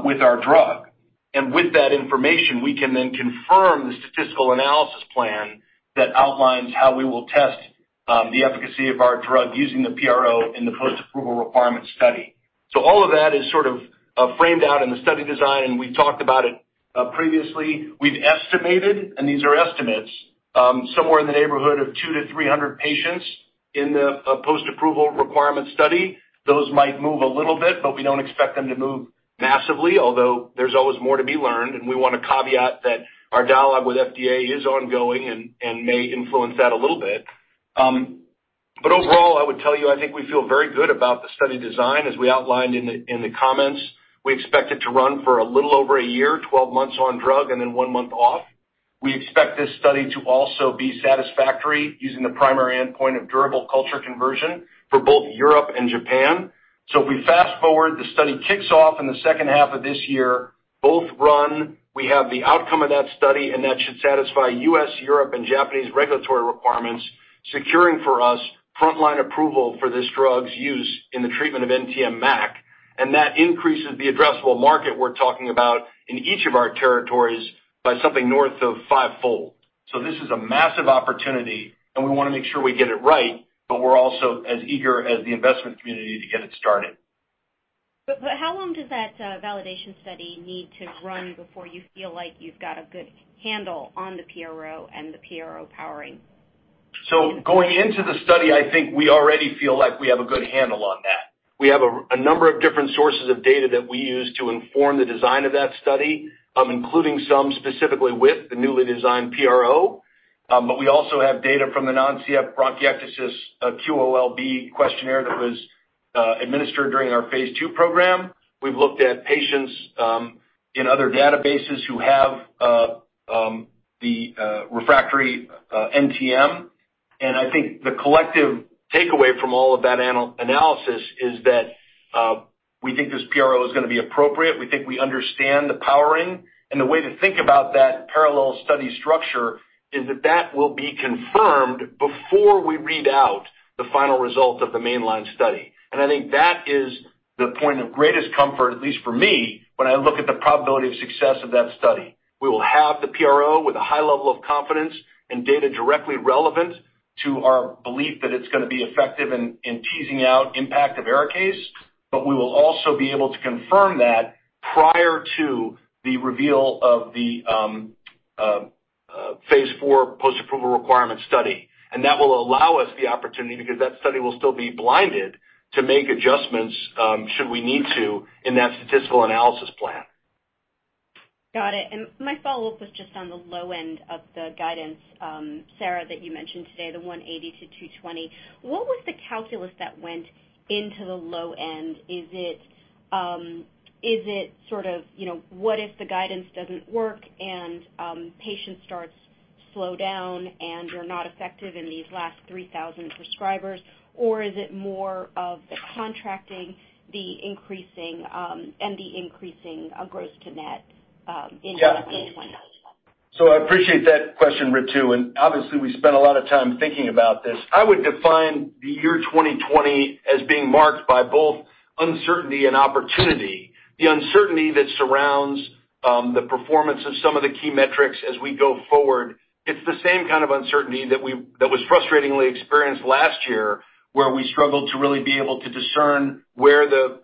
with our drug. With that information, we can then confirm the statistical analysis plan that outlines how we will test the efficacy of our drug using the PRO in the post-approval requirement study. All of that is sort of framed out in the study design, and we've talked about it previously. We've estimated, and these are estimates, somewhere in the neighborhood of 200 to 300 patients in the post-approval requirement study. Those might move a little bit, but we don't expect them to move massively, although there's always more to be learned. We want to caveat that our dialogue with FDA is ongoing and may influence that a little bit. Overall, I would tell you, I think we feel very good about the study design. As we outlined in the comments, we expect it to run for a little over a year, 12 months on drug, and then one month off. We expect this study to also be satisfactory using the primary endpoint of durable culture conversion for both Europe and Japan. If we fast-forward, the study kicks off in the second half of this year, both run. We have the outcome of that study, and that should satisfy U.S., Europe, and Japanese regulatory requirements, securing for us frontline approval for this drug's use in the treatment of NTM-MAC. That increases the addressable market we're talking about in each of our territories by something north of 5-fold. This is a massive opportunity, and we want to make sure we get it right, but we're also as eager as the investment community to get it started. How long does that validation study need to run before you feel like you've got a good handle on the PRO and the PRO powering? Going into the study, I think we already feel like we have a good handle on that. We have a number of different sources of data that we use to inform the design of that study, including some specifically with the newly designed PRO. We also have data from the non-CF bronchiectasis QOL-B questionnaire that was administered during our phase II program. We've looked at patients in other databases who have the refractory NTM. I think the collective takeaway from all of that analysis is that we think this PRO is going to be appropriate. We think we understand the powering. The way to think about that parallel study structure is that that will be confirmed before we read out the final result of the mainline study. I think that is the point of greatest comfort, at least for me, when I look at the probability of success of that study. We will have the PRO with a high level of confidence and data directly relevant to our belief that it's going to be effective in teasing out impact of ARIKAYCE, but we will also be able to confirm that prior to the reveal of the phase IV post-approval requirement study. That will allow us the opportunity because that study will still be blinded to make adjustments, should we need to, in that statistical analysis plan. Got it. My follow-up was just on the low end of the guidance, Sara, that you mentioned today, the $180-$220. What was the calculus that went into the low end? Is it sort of what if the guidance doesn't work and patient starts slow down and you're not effective in these last 3,000 prescribers? Or is it more of the contracting and the increasing gross to net in 2020? I appreciate that question, Ritu, and obviously, we spent a lot of time thinking about this. I would define the year 2020 as being marked by both uncertainty and opportunity. The uncertainty that surrounds the performance of some of the key metrics as we go forward, it's the same kind of uncertainty that was frustratingly experienced last year, where we struggled to really be able to discern where the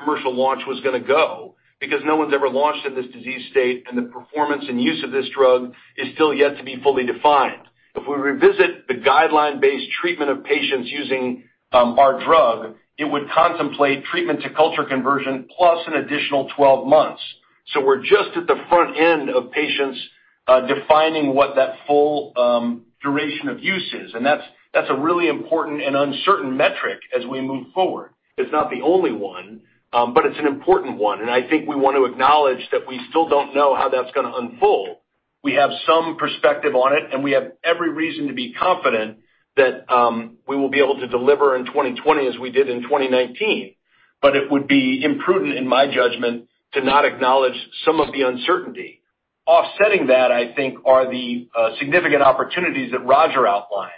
commercial launch was going to go because no one's ever launched in this disease state, and the performance and use of this drug is still yet to be fully defined. If we revisit the guideline-based treatment of patients using our drug, it would contemplate treatment to culture conversion plus an additional 12 months. We're just at the front end of patients defining what that full duration of use is, and that's a really important and uncertain metric as we move forward. It's not the only one, but it's an important one, and I think we want to acknowledge that we still don't know how that's going to unfold. We have some perspective on it, and we have every reason to be confident that we will be able to deliver in 2020 as we did in 2019. It would be imprudent, in my judgment, to not acknowledge some of the uncertainty. Offsetting that, I think, are the significant opportunities that Roger outlined.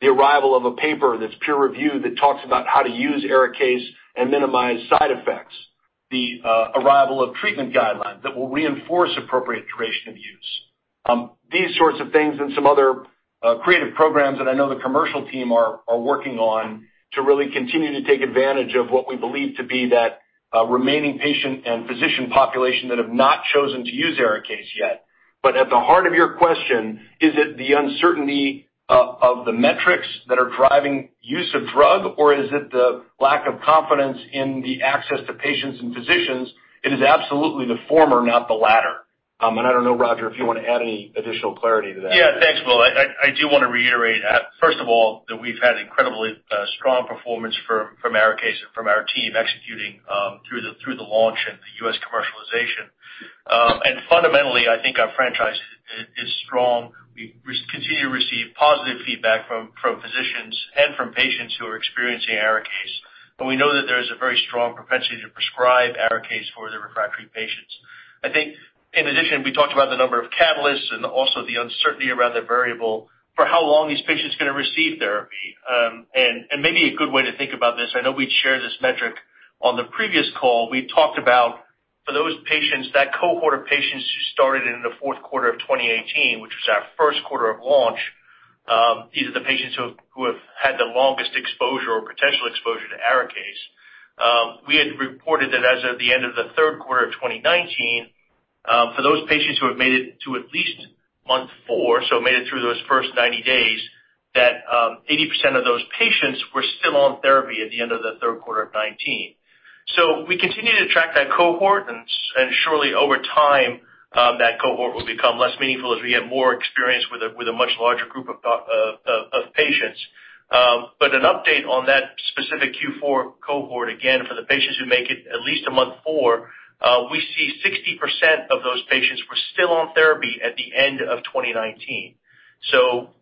The arrival of a paper that's peer-reviewed that talks about how to use ARIKAYCE and minimize side effects. The arrival of treatment guidelines that will reinforce appropriate duration of use. These sorts of things and some other creative programs that I know the commercial team are working on to really continue to take advantage of what we believe to be that remaining patient and physician population that have not chosen to use ARIKAYCE yet. At the heart of your question, is it the uncertainty of the metrics that are driving use of drug, or is it the lack of confidence in the access to patients and physicians? It is absolutely the former, not the latter. I don't know, Roger, if you want to add any additional clarity to that. Yeah, thanks, Will. I do want to reiterate, first of all, that we've had incredibly strong performance from ARIKAYCE and from our team executing through the launch and the U.S. commercialization. Fundamentally, I think our franchise is strong. We continue to receive positive feedback from physicians and from patients who are experiencing ARIKAYCE, and we know that there is a very strong propensity to prescribe ARIKAYCE for their refractory patients. I think, in addition, we talked about the number of catalysts and also the uncertainty around the variable for how long these patients are going to receive therapy. Maybe a good way to think about this, I know we'd shared this metric on the previous call, we talked about for those patients, that cohort of patients who started in the fourth quarter of 2018, which was our first quarter of launch, these are the patients who have had the longest exposure or potential exposure to ARIKAYCE. We had reported that as of the end of the third quarter of 2019, for those patients who have made it to at least month four, so made it through those first 90 days, that 80% of those patients were still on therapy at the end of the third quarter of 2019. We continue to track that cohort, and surely over time, that cohort will become less meaningful as we get more experience with a much larger group of patients. An update on that specific Q4 cohort, again, for the patients who make it at least a month four, we see 60% of those patients were still on therapy at the end of 2019.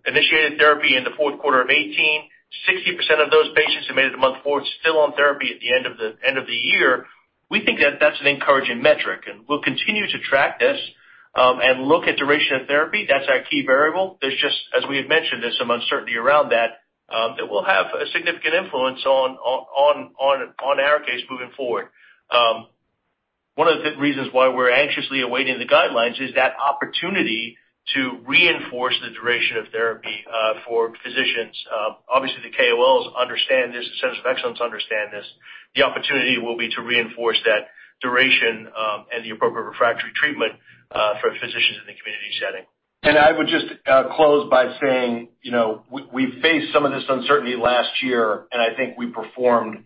Initiated therapy in the fourth quarter of 2018, 60% of those patients who made it to month four still on therapy at the end of the year. We think that's an encouraging metric, and we'll continue to track this, and look at duration of therapy. That's our key variable. There's just, as we had mentioned, there's some uncertainty around that will have a significant influence on ARIKAYCE moving forward. One of the reasons why we're anxiously awaiting the guidelines is that opportunity to reinforce the duration of therapy for physicians. Obviously, the KOLs understand this, the centers of excellence understand this. The opportunity will be to reinforce that duration, and the appropriate refractory treatment for physicians in the community setting. I would just close by saying, we faced some of this uncertainty last year, and I think we performed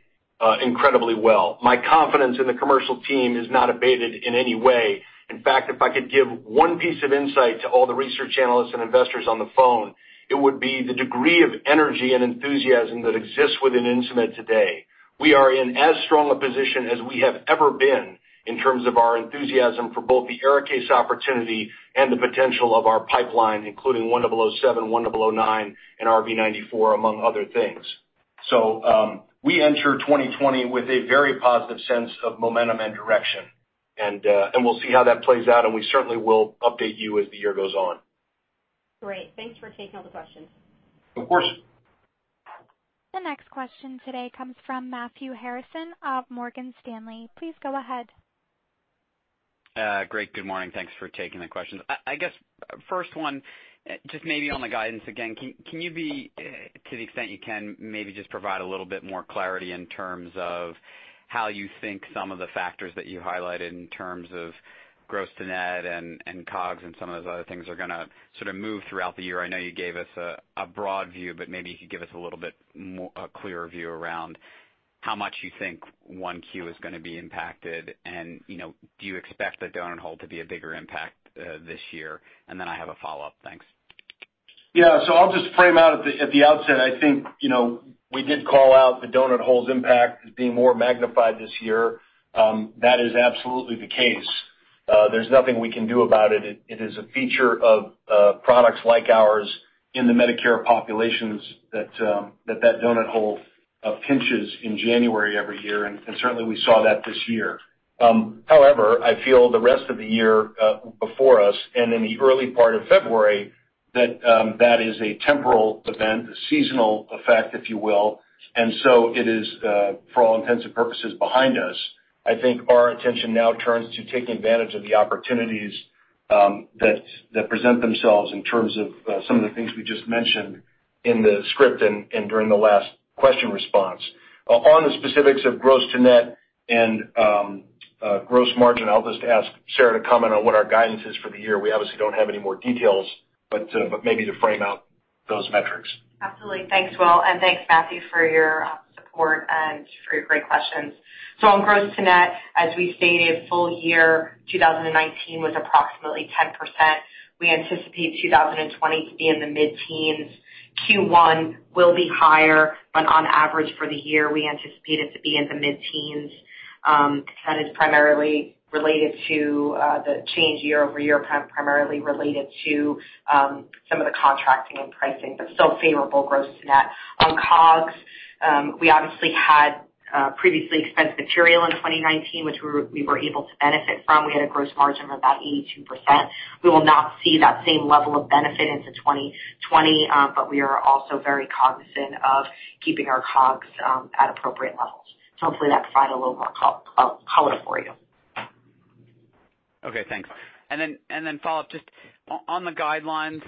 incredibly well. My confidence in the commercial team is not abated in any way. In fact, if I could give one piece of insight to all the research analysts and investors on the phone, it would be the degree of energy and enthusiasm that exists within Insmed today. We are in as strong a position as we have ever been in terms of our enthusiasm for both the ARIKAYCE opportunity and the potential of our pipeline, including 1007, 1009 and RV94, among other things. We enter 2020 with a very positive sense of momentum and direction, and we'll see how that plays out, and we certainly will update you as the year goes on. Great. Thanks for taking all the questions. Of course. The next question today comes from Matthew Harrison of Morgan Stanley. Please go ahead. Great. Good morning. Thanks for taking the questions. I guess first one, just maybe on the guidance again, can you be, to the extent you can, maybe just provide a little bit more clarity in terms of how you think some of the factors that you highlighted in terms of gross to net and COGS and some of those other things are going to sort of move throughout the year? I know you gave us a broad view, but maybe you could give us a little bit more, a clearer view around how much you think 1Q is going to be impacted. Do you expect the donut hole to be a bigger impact this year? Then I have a follow-up. Thanks. I'll just frame out at the outset. I think, we did call out the donut hole's impact as being more magnified this year. That is absolutely the case. There's nothing we can do about it. It is a feature of products like ours in the Medicare populations that donut hole pinches in January every year, and certainly we saw that this year. I feel the rest of the year before us and in the early part of February, that is a temporal event, a seasonal effect, if you will. It is, for all intents and purposes, behind us. I think our attention now turns to taking advantage of the opportunities that present themselves in terms of some of the things we just mentioned in the script and during the last question response. On the specifics of gross to net and gross margin, I'll just ask Sara to comment on what our guidance is for the year. We obviously don't have any more details, but maybe to frame out those metrics. Absolutely. Thanks, Will, and thanks, Matthew, for your support and for your great questions. On gross to net, as we stated, full year 2019 was approximately 10%. We anticipate 2020 to be in the mid-teens. Q1 will be higher, but on average for the year, we anticipate it to be in the mid-teens. That is primarily related to the change year-over-year, primarily related to some of the contracting and pricing, but still favorable gross to net. On COGS, we obviously had previously expensed material in 2019, which we were able to benefit from. We had a gross margin of about 82%. We will not see that same level of benefit into 2020, but we are also very cognizant of keeping our COGS at appropriate levels. Hopefully that provided a little more color for you. Okay, thanks. Follow up, just on the guidelines,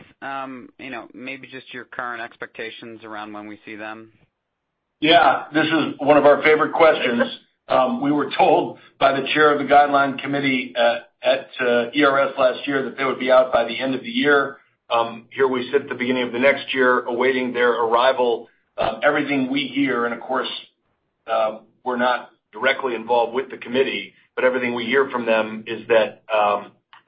maybe just your current expectations around when we see them? Yeah. This is one of our favorite questions. We were told by the chair of the guideline committee at ERS last year that they would be out by the end of the year. Here we sit at the beginning of the next year, awaiting their arrival. Everything we hear, and of course, we're not directly involved with the committee, but everything we hear from them is that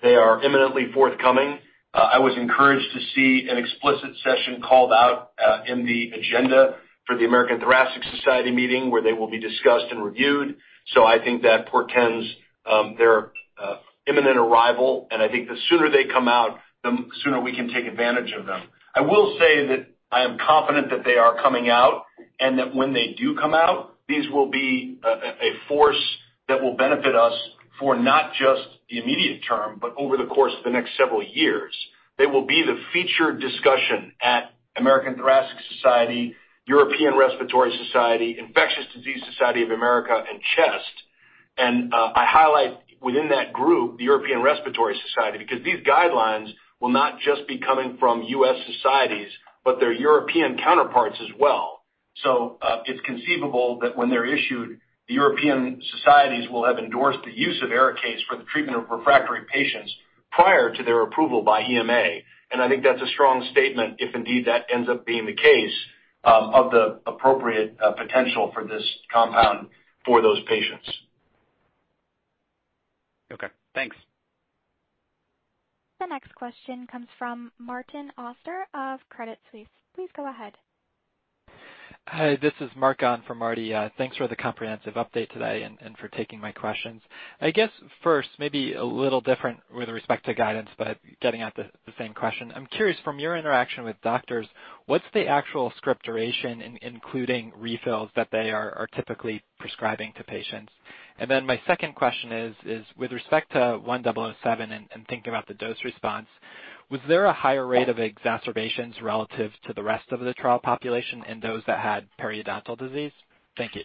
they are imminently forthcoming. I was encouraged to see an explicit session called out in the agenda for the American Thoracic Society meeting where they will be discussed and reviewed. I think that portends their imminent arrival, and I think the sooner they come out, the sooner we can take advantage of them. I will say that I am confident that they are coming out, and that when they do come out, these will be a force that will benefit us for not just the immediate term, but over the course of the next several years. They will be the featured discussion at American Thoracic Society, European Respiratory Society, Infectious Diseases Society of America, and CHEST. I highlight within that group the European Respiratory Society, because these guidelines will not just be coming from U.S. societies, but their European counterparts as well. It's conceivable that when they're issued, the European societies will have endorsed the use of ARIKAYCE for the treatment of refractory patients prior to their approval by EMA. I think that's a strong statement, if indeed that ends up being the case, of the appropriate potential for this compound for those patients. Okay, thanks. The next question comes from Martin Auster of Credit Suisse. Please go ahead. Hi, this is Martin from Marty. Thanks for the comprehensive update today and for taking my questions. I guess first, maybe a little different with respect to guidance, getting at the same question. I'm curious, from your interaction with doctors, what's the actual script duration, including refills that they are typically prescribing to patients? My second question is, with respect to INS1007 and thinking about the dose response, was there a higher rate of exacerbations relative to the rest of the trial population in those that had periodontal disease? Thank you.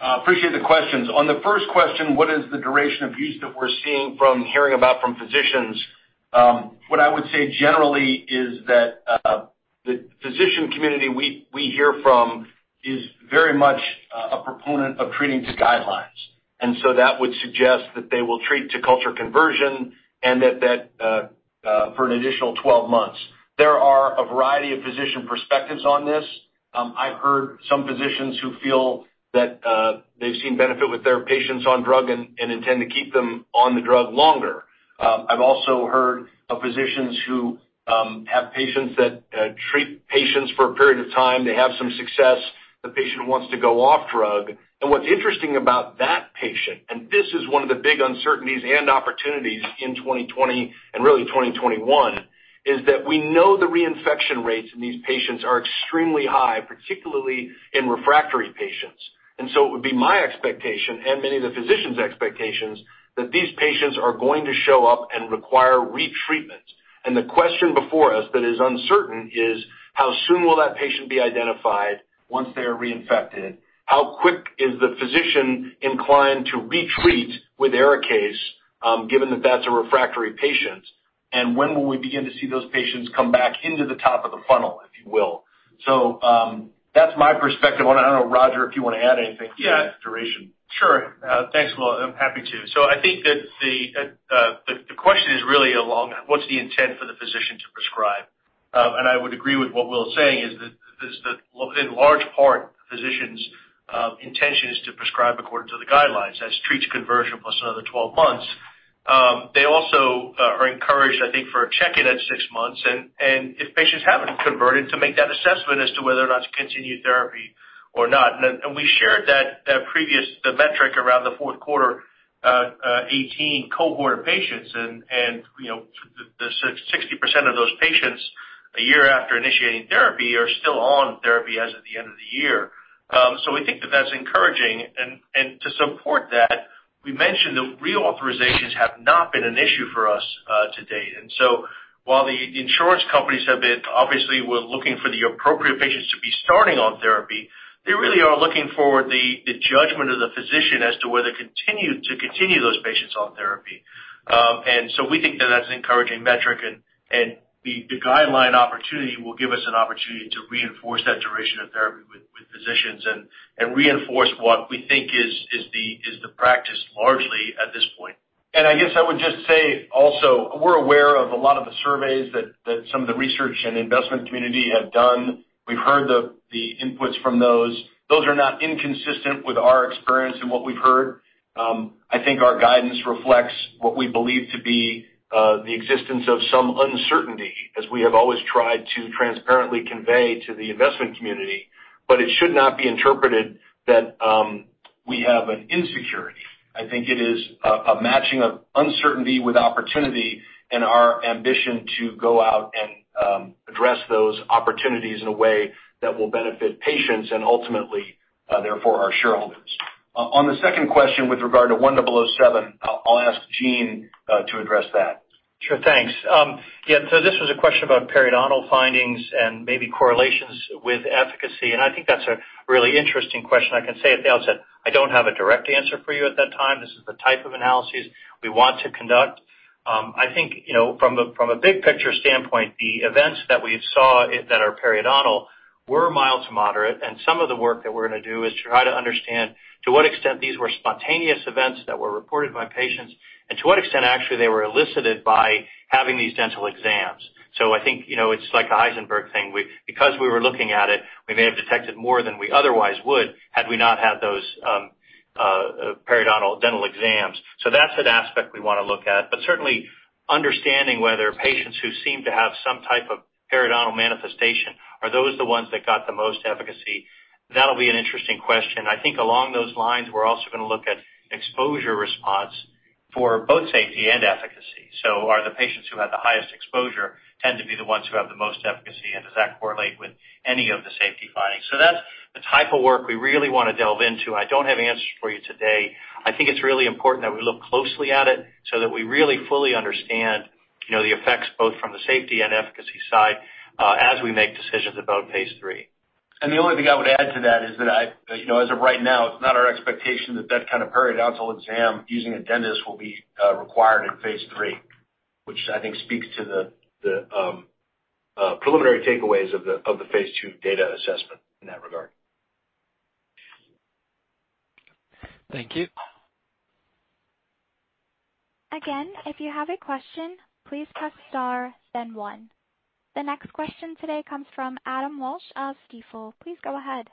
Appreciate the questions. On the first question, what is the duration of use that we're seeing from hearing about from physicians? What I would say generally is that the physician community we hear from is very much a proponent of treating to guidelines. That would suggest that they will treat to culture conversion and that for an additional 12 months. There are a variety of physician perspectives on this. I've heard some physicians who feel that they've seen benefit with their patients on drug and intend to keep them on the drug longer. I've also heard of physicians who have patients that treat patients for a period of time. They have some success. The patient wants to go off drug. What's interesting about that patient, and this is one of the big uncertainties and opportunities in 2020 and really 2021, is that we know the reinfection rates in these patients are extremely high, particularly in refractory patients. It would be my expectation and many of the physicians' expectations that these patients are going to show up and require retreatment. The question before us that is uncertain is, how soon will that patient be identified once they are reinfected? How quick is the physician inclined to retreat with ARIKAYCE, given that that's a refractory patient? When will we begin to see those patients come back into the top of the funnel, if you will? That's my perspective on it. I don't know, Roger, if you want to add anything to that duration. Sure. Thanks, Will. I'm happy to. I think that the question is really along, what's the intent for the physician to prescribe? I would agree with what Will is saying, is that in large part, physician's intention is to prescribe according to the guidelines. That's treat to conversion plus another 12 months. They also are encouraged, I think, for a check-in at six months, and if patients haven't converted, to make that assessment as to whether or not to continue therapy or not. We shared that previous metric around the fourth quarter 18 cohort of patients and the 60% of those patients a year after initiating therapy are still on therapy as of the end of the year. We think that that's encouraging. To support that, we mentioned the reauthorizations have not been an issue for us to date. While the insurance companies have been obviously were looking for the appropriate patients to be starting on therapy, they really are looking for the judgment of the physician as to whether to continue those patients on therapy. We think that that's an encouraging metric and the guideline opportunity will give us an opportunity to reinforce that duration of therapy with physicians and reinforce what we think is the practice largely at this point. I guess I would just say also, we're aware of a lot of the surveys that some of the research and investment community have done. We've heard the inputs from those. Those are not inconsistent with our experience and what we've heard. I think our guidance reflects what we believe to be the existence of some uncertainty, as we have always tried to transparently convey to the investment community. It should not be interpreted that we have an insecurity. I think it is a matching of uncertainty with opportunity and our ambition to go out and address those opportunities in a way that will benefit patients and ultimately, therefore, our shareholders. On the second question with regard to INS1007, I'll ask Gene to address that. Sure. Thanks. This was a question about periodontal findings and maybe correlations with efficacy, and I think that's a really interesting question. I can say at the outset, I don't have a direct answer for you at that time. This is the type of analysis we want to conduct. I think from a big picture standpoint, the events that we saw that are periodontal were mild to moderate, and some of the work that we're going to do is try to understand to what extent these were spontaneous events that were reported by patients, and to what extent actually they were elicited by having these dental exams. I think it's like a Heisenberg thing, because we were looking at it, we may have detected more than we otherwise would have we not had those periodontal dental exams. That's an aspect we want to look at. Certainly understanding whether patients who seem to have some type of periodontal manifestation, are those the ones that got the most efficacy? That'll be an interesting question. I think along those lines, we're also going to look at exposure response for both safety and efficacy. Are the patients who have the highest exposure tend to be the ones who have the most efficacy, and does that correlate with any of the safety findings? That's the type of work we really want to delve into. I don't have answers for you today. I think it's really important that we look closely at it so that we really fully understand the effects both from the safety and efficacy side as we make decisions about phase III. The only thing I would add to that is that as of right now, it's not our expectation that that kind of periodontal exam using a dentist will be required in phase III, which I think speaks to the preliminary takeaways of the phase II data assessment in that regard. Thank you. Again, if you have a question, please press star then one. The next question today comes from Adam Walsh of Stifel. Please go ahead.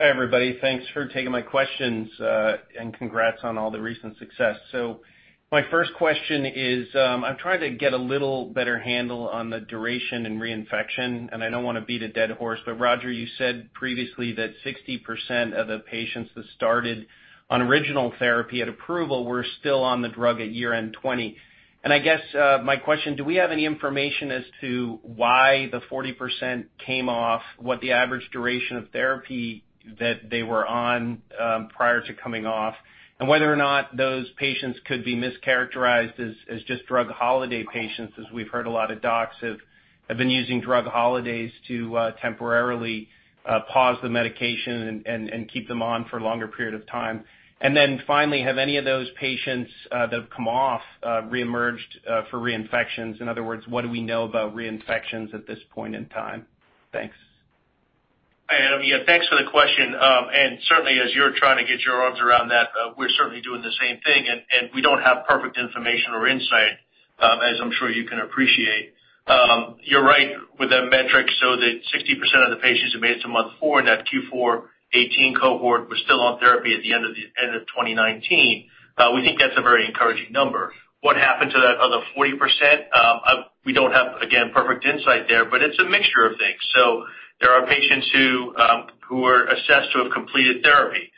Hi, everybody. Thanks for taking my questions, and congrats on all the recent success. My first question is, I'm trying to get a little better handle on the duration and reinfection, and I don't want to beat a dead horse, but Roger, you said previously that 60% of the patients that started on original therapy at approval were still on the drug at year-end 2020. I guess my question, do we have any information as to why the 40% came off, what the average duration of therapy that they were on prior to coming off, and whether or not those patients could be mischaracterized as just drug holiday patients, as we've heard a lot of docs have been using drug holidays to temporarily pause the medication and keep them on for a longer period of time. Finally, have any of those patients that have come off reemerged for reinfections? In other words, what do we know about reinfections at this point in time? Thanks. Hi, Adam. Yeah, thanks for the question. Certainly as you're trying to get your arms around that, we're certainly doing the same thing, and we don't have perfect information or insight, as I'm sure you can appreciate. You're right with that metric, that 60% of the patients who made it to month four in that Q4 2018 cohort were still on therapy at the end of 2019. We think that's a very encouraging number. What happened to that other 40%? We don't have, again, perfect insight there, but it's a mixture of things. There are patients who were assessed to have completed therapy.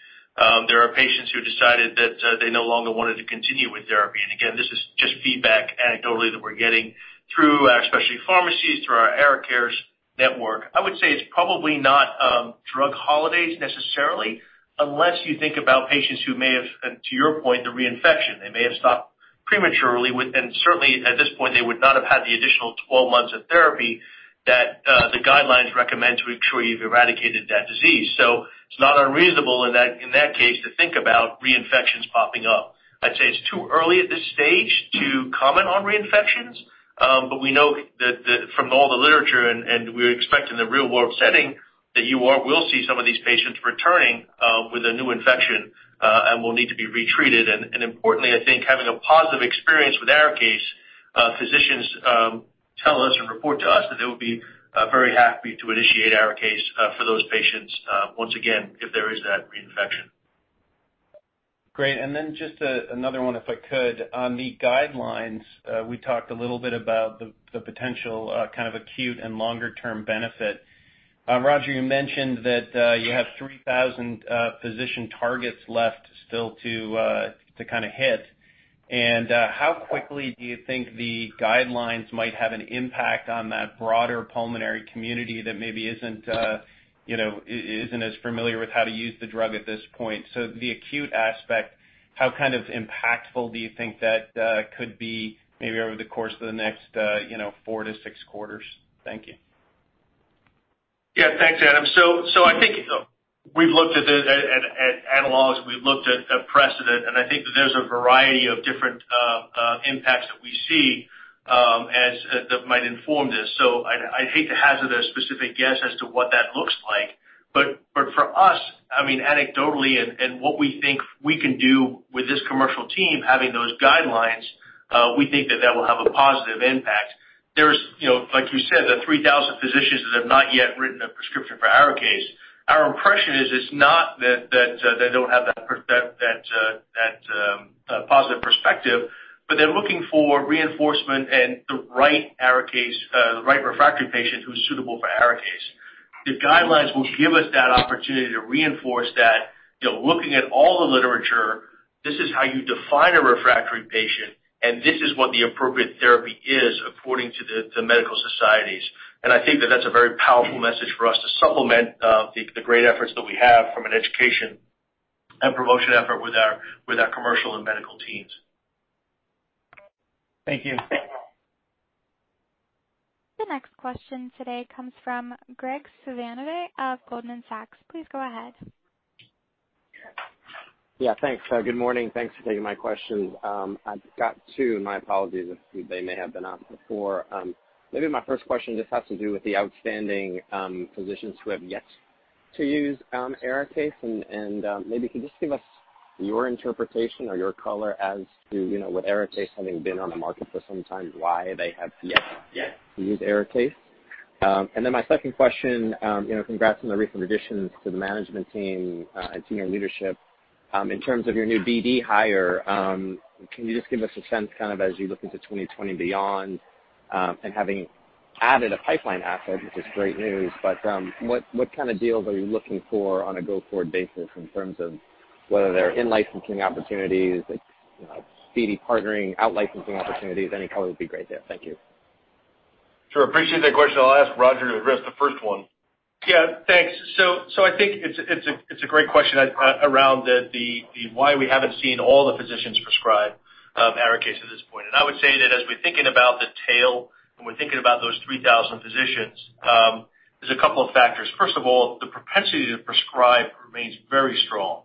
There are patients who decided that they no longer wanted to continue with therapy. Again, this is just feedback anecdotally that we're getting through our specialty pharmacies, through our inLighten network. I would say it's probably not drug holidays necessarily, unless you think about patients who may have, to your point, the reinfection. They may have stopped prematurely, certainly at this point, they would not have had the additional 12 months of therapy that the guidelines recommend to ensure you've eradicated that disease. It's not unreasonable in that case to think about reinfections popping up. I'd say it's too early at this stage to comment on reinfections, but we know that from all the literature, and we expect in the real-world setting that you will see some of these patients returning with a new infection and will need to be retreated. Importantly, I think having a positive experience with ARIKAYCE, physicians tell us and report to us that they would be very happy to initiate ARIKAYCE for those patients once again if there is that reinfection. Great. Just another one, if I could. On the guidelines, we talked a little bit about the potential acute and longer-term benefit. Roger, you mentioned that you have 3,000 physician targets left still to hit. How quickly do you think the guidelines might have an impact on that broader pulmonary community that maybe isn't as familiar with how to use the drug at this point? The acute aspect, how impactful do you think that could be maybe over the course of the next four to six quarters? Thank you. Yeah. Thanks, Adam. I think we've looked at analogs, we've looked at precedent, and I think that there's a variety of different impacts that we see that might inform this. I'd hate to hazard a specific guess as to what that looks like. For us, anecdotally and what we think we can do with this commercial team having those guidelines, we think that that will have a positive impact. There's, like you said, the 3,000 physicians that have not yet written a prescription for ARIKAYCE. Our impression is it's not that they don't have that positive perspective, but they're looking for reinforcement and the right refractory patient who's suitable for ARIKAYCE. The guidelines will give us that opportunity to reinforce that, looking at all the literature, this is how you define a refractory patient, and this is what the appropriate therapy is according to the medical societies. I think that that's a very powerful message for us to supplement the great efforts that we have from an education. Promotion effort with our commercial and medical teams. Thank you. The next question today comes from Graig Suvannavejh of Goldman Sachs. Please go ahead. Yeah, thanks. Good morning. Thanks for taking my questions. I've got two, my apologies if they may have been on before. Maybe my first question just has to do with the outstanding physicians who have yet to use ARIKAYCE, and maybe could you just give us your interpretation or your color as to, with ARIKAYCE having been on the market for some time, why they have yet to use ARIKAYCE? My second question, congrats on the recent additions to the management team and senior leadership. In terms of your new BD hire, can you just give us a sense as you look into 2020 and beyond, and having added a pipeline asset, which is great news, but what kind of deals are you looking for on a go-forward basis in terms of whether they're in-licensing opportunities, speedy partnering, out-licensing opportunities? Any color would be great there. Thank you. Sure. Appreciate that question. I'll ask Roger to address the first one. Yeah, thanks. I think it's a great question around the why we haven't seen all the physicians prescribe ARIKAYCE at this point. I would say that as we're thinking about the tail, and we're thinking about those 3,000 physicians, there's a couple of factors. First of all, the propensity to prescribe remains very strong.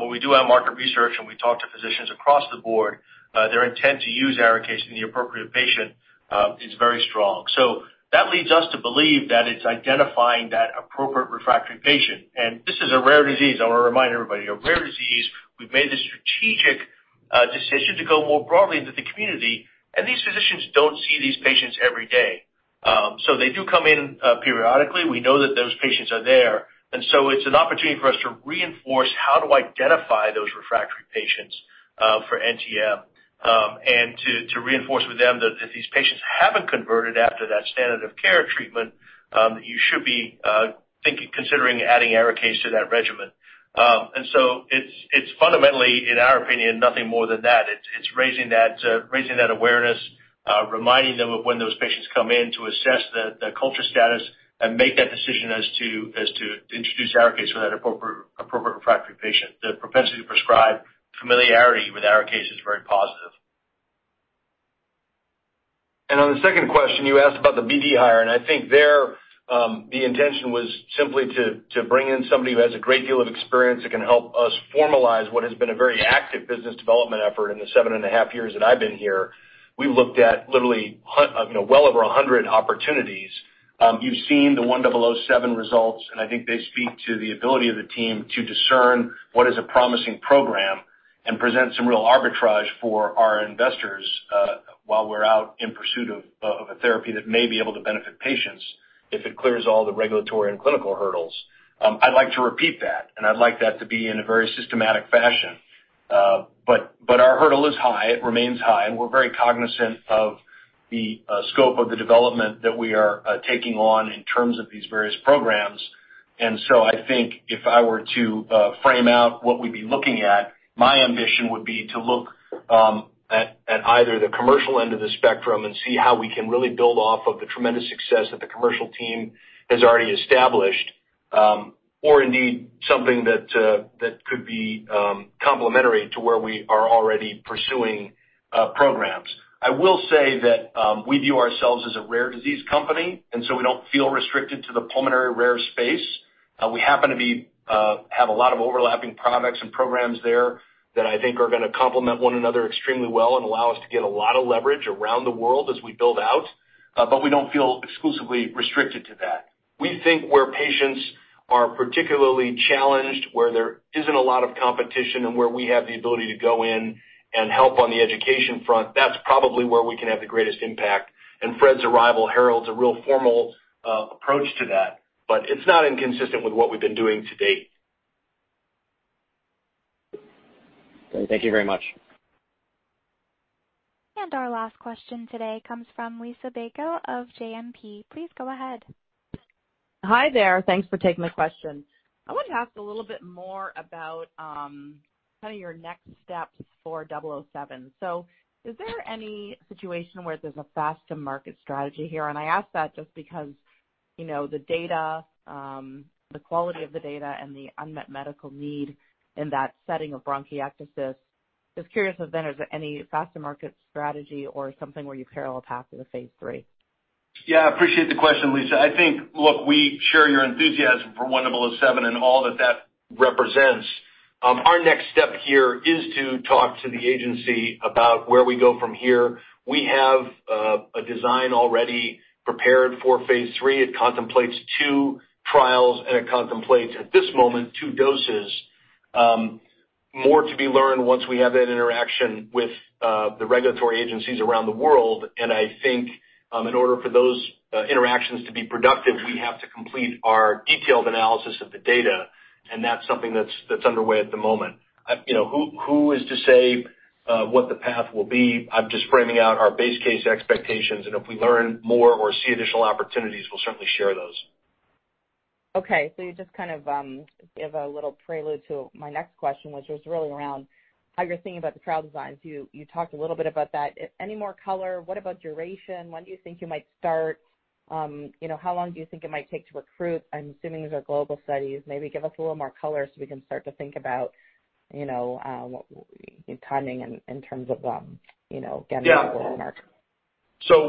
When we do our market research and we talk to physicians across the board, their intent to use ARIKAYCE in the appropriate patient is very strong. That leads us to believe that it's identifying that appropriate refractory patient. This is a rare disease, I want to remind everybody, a rare disease. We've made the strategic decision to go more broadly into the community, and these physicians don't see these patients every day. They do come in periodically. We know that those patients are there, it's an opportunity for us to reinforce how to identify those refractory patients for NTM, and to reinforce with them that if these patients haven't converted after that standard of care treatment, that you should be considering adding ARIKAYCE to that regimen. It's fundamentally, in our opinion, nothing more than that. It's raising that awareness, reminding them of when those patients come in to assess the culture status and make that decision as to introduce ARIKAYCE for that appropriate refractory patient. The propensity to prescribe familiarity with ARIKAYCE is very positive. On the second question, you asked about the BD hire, and I think there, the intention was simply to bring in somebody who has a great deal of experience that can help us formalize what has been a very active business development effort in the seven and a half years that I've been here. We've looked at literally well over 100 opportunities. You've seen the 1007 results, and I think they speak to the ability of the team to discern what is a promising program and present some real arbitrage for our investors while we're out in pursuit of a therapy that may be able to benefit patients if it clears all the regulatory and clinical hurdles. I'd like to repeat that, and I'd like that to be in a very systematic fashion. Our hurdle is high, it remains high, and we're very cognizant of the scope of the development that we are taking on in terms of these various programs. I think if I were to frame out what we'd be looking at, my ambition would be to look at either the commercial end of the spectrum and see how we can really build off of the tremendous success that the commercial team has already established. Indeed, something that could be complementary to where we are already pursuing programs. I will say that we view ourselves as a rare disease company, and so we don't feel restricted to the pulmonary rare space. We happen to have a lot of overlapping products and programs there that I think are going to complement one another extremely well and allow us to get a lot of leverage around the world as we build out. We don't feel exclusively restricted to that. We think where patients are particularly challenged, where there isn't a lot of competition and where we have the ability to go in and help on the education front, that's probably where we can have the greatest impact. Fred's arrival heralds a real formal approach to that. It's not inconsistent with what we've been doing to date. Thank you very much. Our last question today comes from Liisa Bayko of JMP. Please go ahead. Hi there. Thanks for taking my question. I wanted to ask a little bit more about your next steps for 007. Is there any situation where there's a fast-to-market strategy here? I ask that just because the quality of the data and the unmet medical need in that setting of bronchiectasis, just curious if there is any fast-to-market strategy or something where you parallel path to the phase III. Yeah, appreciate the question, Liisa. I think, look, we share your enthusiasm for INS1007 and all that that represents. Our next step here is to talk to the agency about where we go from here. We have a design already prepared for phase III. It contemplates two trials, and it contemplates, at this moment, two doses. More to be learned once we have that interaction with the regulatory agencies around the world, and I think in order for those interactions to be productive, we have to complete our detailed analysis of the data, and that's something that's underway at the moment. Who is to say what the path will be? I'm just framing out our base case expectations, and if we learn more or see additional opportunities, we'll certainly share those. Okay. You just gave a little prelude to my next question, which was really around how you're thinking about the trial designs. You talked a little bit about that. Any more color? What about duration? When do you think you might start? How long do you think it might take to recruit? I'm assuming these are global studies. Maybe give us a little more color so we can start to think about timing in terms of getting Yeah. To global market.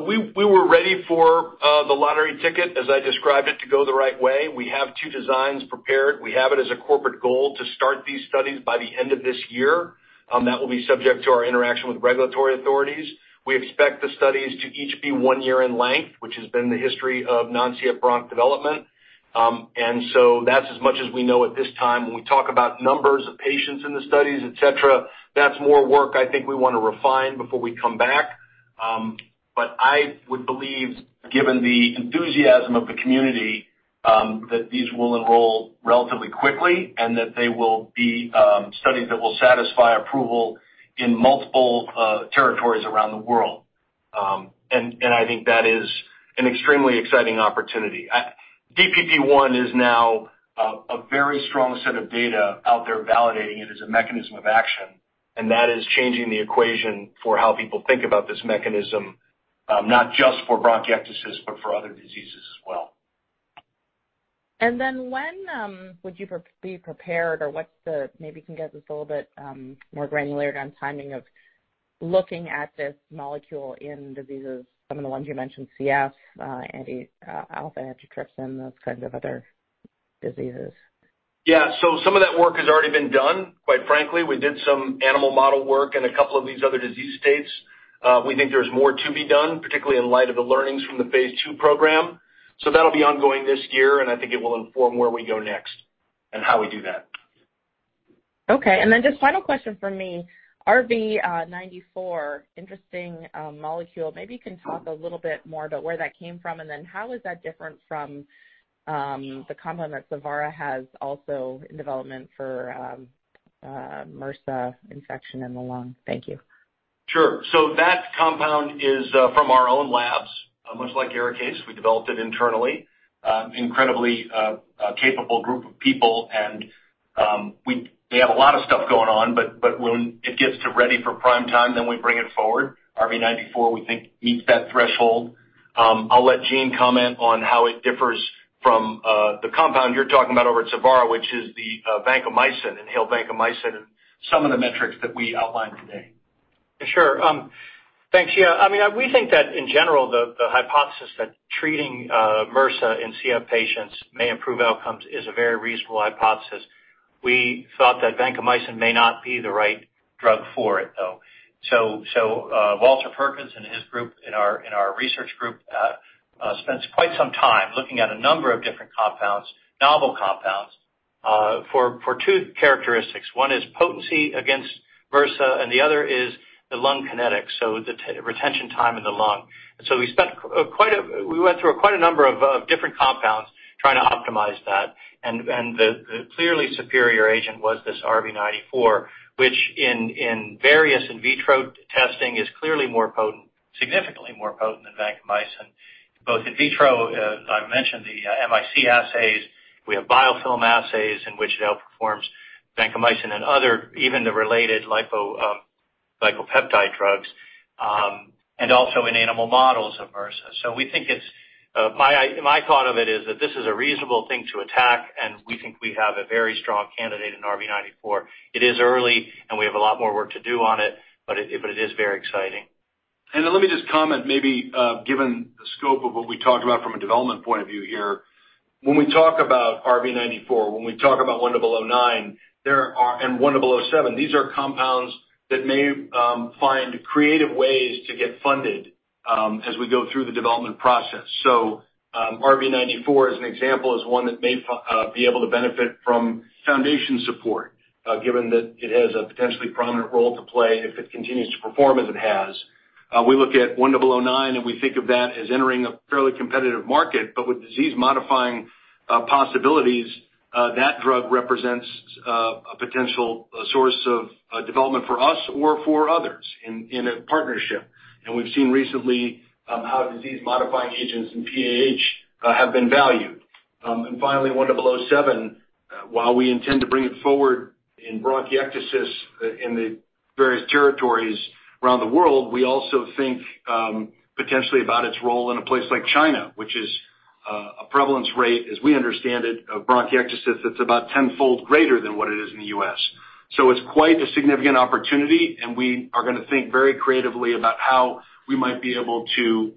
We were ready for the lottery ticket, as I described it, to go the right way. We have two designs prepared. We have it as a corporate goal to start these studies by the end of this year. That will be subject to our interaction with regulatory authorities. We expect the studies to each be one year in length, which has been the history of non-CF bronch development. That's as much as we know at this time. When we talk about numbers of patients in the studies, et cetera, that's more work I think we want to refine before we come back. I would believe, given the enthusiasm of the community, that these will enroll relatively quickly and that they will be studies that will satisfy approval in multiple territories around the world. I think that is an extremely exciting opportunity. DPP1 is now a very strong set of data out there validating it as a mechanism of action, and that is changing the equation for how people think about this mechanism, not just for bronchiectasis, but for other diseases as well. Then when would you be prepared or maybe you can give us a little bit more granularity on timing of looking at this molecule in diseases, some of the ones you mentioned, CF, alpha-1 antitrypsin, those kinds of other diseases. Yeah. Some of that work has already been done, quite frankly. We did some animal model work in a couple of these other disease states. We think there's more to be done, particularly in light of the learnings from the phase II program. That'll be ongoing this year, and I think it will inform where we go next and how we do that. Okay. Just final question from me, RV94, interesting molecule. Maybe you can talk a little bit more about where that came from, how is that different from the compound that Savara has also in development for MRSA infection in the lung? Thank you. Sure. That compound is from our own labs, much like ARIKAYCE. We developed it internally. Incredibly capable group of people and they have a lot of stuff going on, but when it gets to ready for prime time, then we bring it forward. RV94, we think, meets that threshold. I'll let Gene comment on how it differs from the compound you're talking about over at Savara, which is the vancomycin, inhaled vancomycin, and some of the metrics that we outlined today. Thanks. We think that in general, the hypothesis that treating MRSA in CF patients may improve outcomes is a very reasonable hypothesis. We thought that vancomycin may not be the right drug for it, though. Walter Perkins in his group, in our research group, spends quite some time looking at a number of different compounds, novel compounds for two characteristics. One is potency against MRSA, and the other is the lung kinetics, so the retention time in the lung. We went through quite a number of different compounds trying to optimize that, and the clearly superior agent was this RV94, which in various in vitro testing is clearly more potent, significantly more potent than vancomycin. Both in vitro, as I mentioned, the MIC assays, we have biofilm assays in which it outperforms vancomycin and other, even the related lipopeptide drugs, and also in animal models of MRSA. My thought of it is that this is a reasonable thing to attack, and we think we have a very strong candidate in RV94. It is early and we have a lot more work to do on it, but it is very exciting. Let me just comment maybe, given the scope of what we talked about from a development point of view here. When we talk about RV94, when we talk about 1009, and 1007, these are compounds that may find creative ways to get funded as we go through the development process. RV94, as an example, is one that may be able to benefit from foundation support, given that it has a potentially prominent role to play if it continues to perform as it has. We look at 1009, and we think of that as entering a fairly competitive market, but with disease-modifying possibilities, that drug represents a potential source of development for us or for others in a partnership. We've seen recently how disease-modifying agents in PAH have been valued. Finally, 1007, while we intend to bring it forward in bronchiectasis in the various territories around the world, we also think potentially about its role in a place like China, which is a prevalence rate, as we understand it, of bronchiectasis that's about 10-fold greater than what it is in the U.S. It's quite a significant opportunity, and we are going to think very creatively about how we might be able to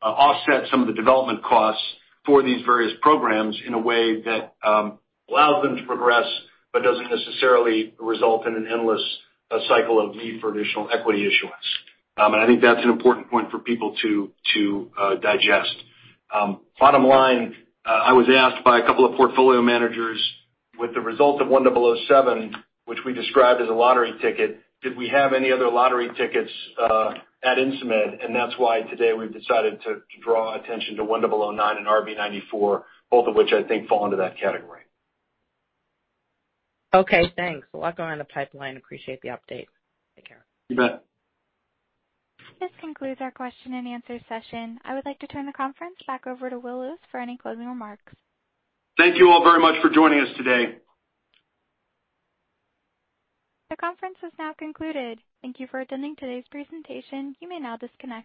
offset some of the development costs for these various programs in a way that allows them to progress, but doesn't necessarily result in an endless cycle of need for additional equity issuance. I think that's an important point for people to digest. Bottom line, I was asked by a couple of portfolio managers with the result of 1007, which we described as a lottery ticket, did we have any other lottery tickets at Insmed? That's why today we've decided to draw attention to 1009 and RV94, both of which I think fall into that category. Okay, thanks. A lot going in the pipeline. Appreciate the update. Take care. You bet. This concludes our question and answer session. I would like to turn the conference back over to Will Lewis for any closing remarks. Thank you all very much for joining us today. The conference is now concluded. Thank you for attending today's presentation. You may now disconnect.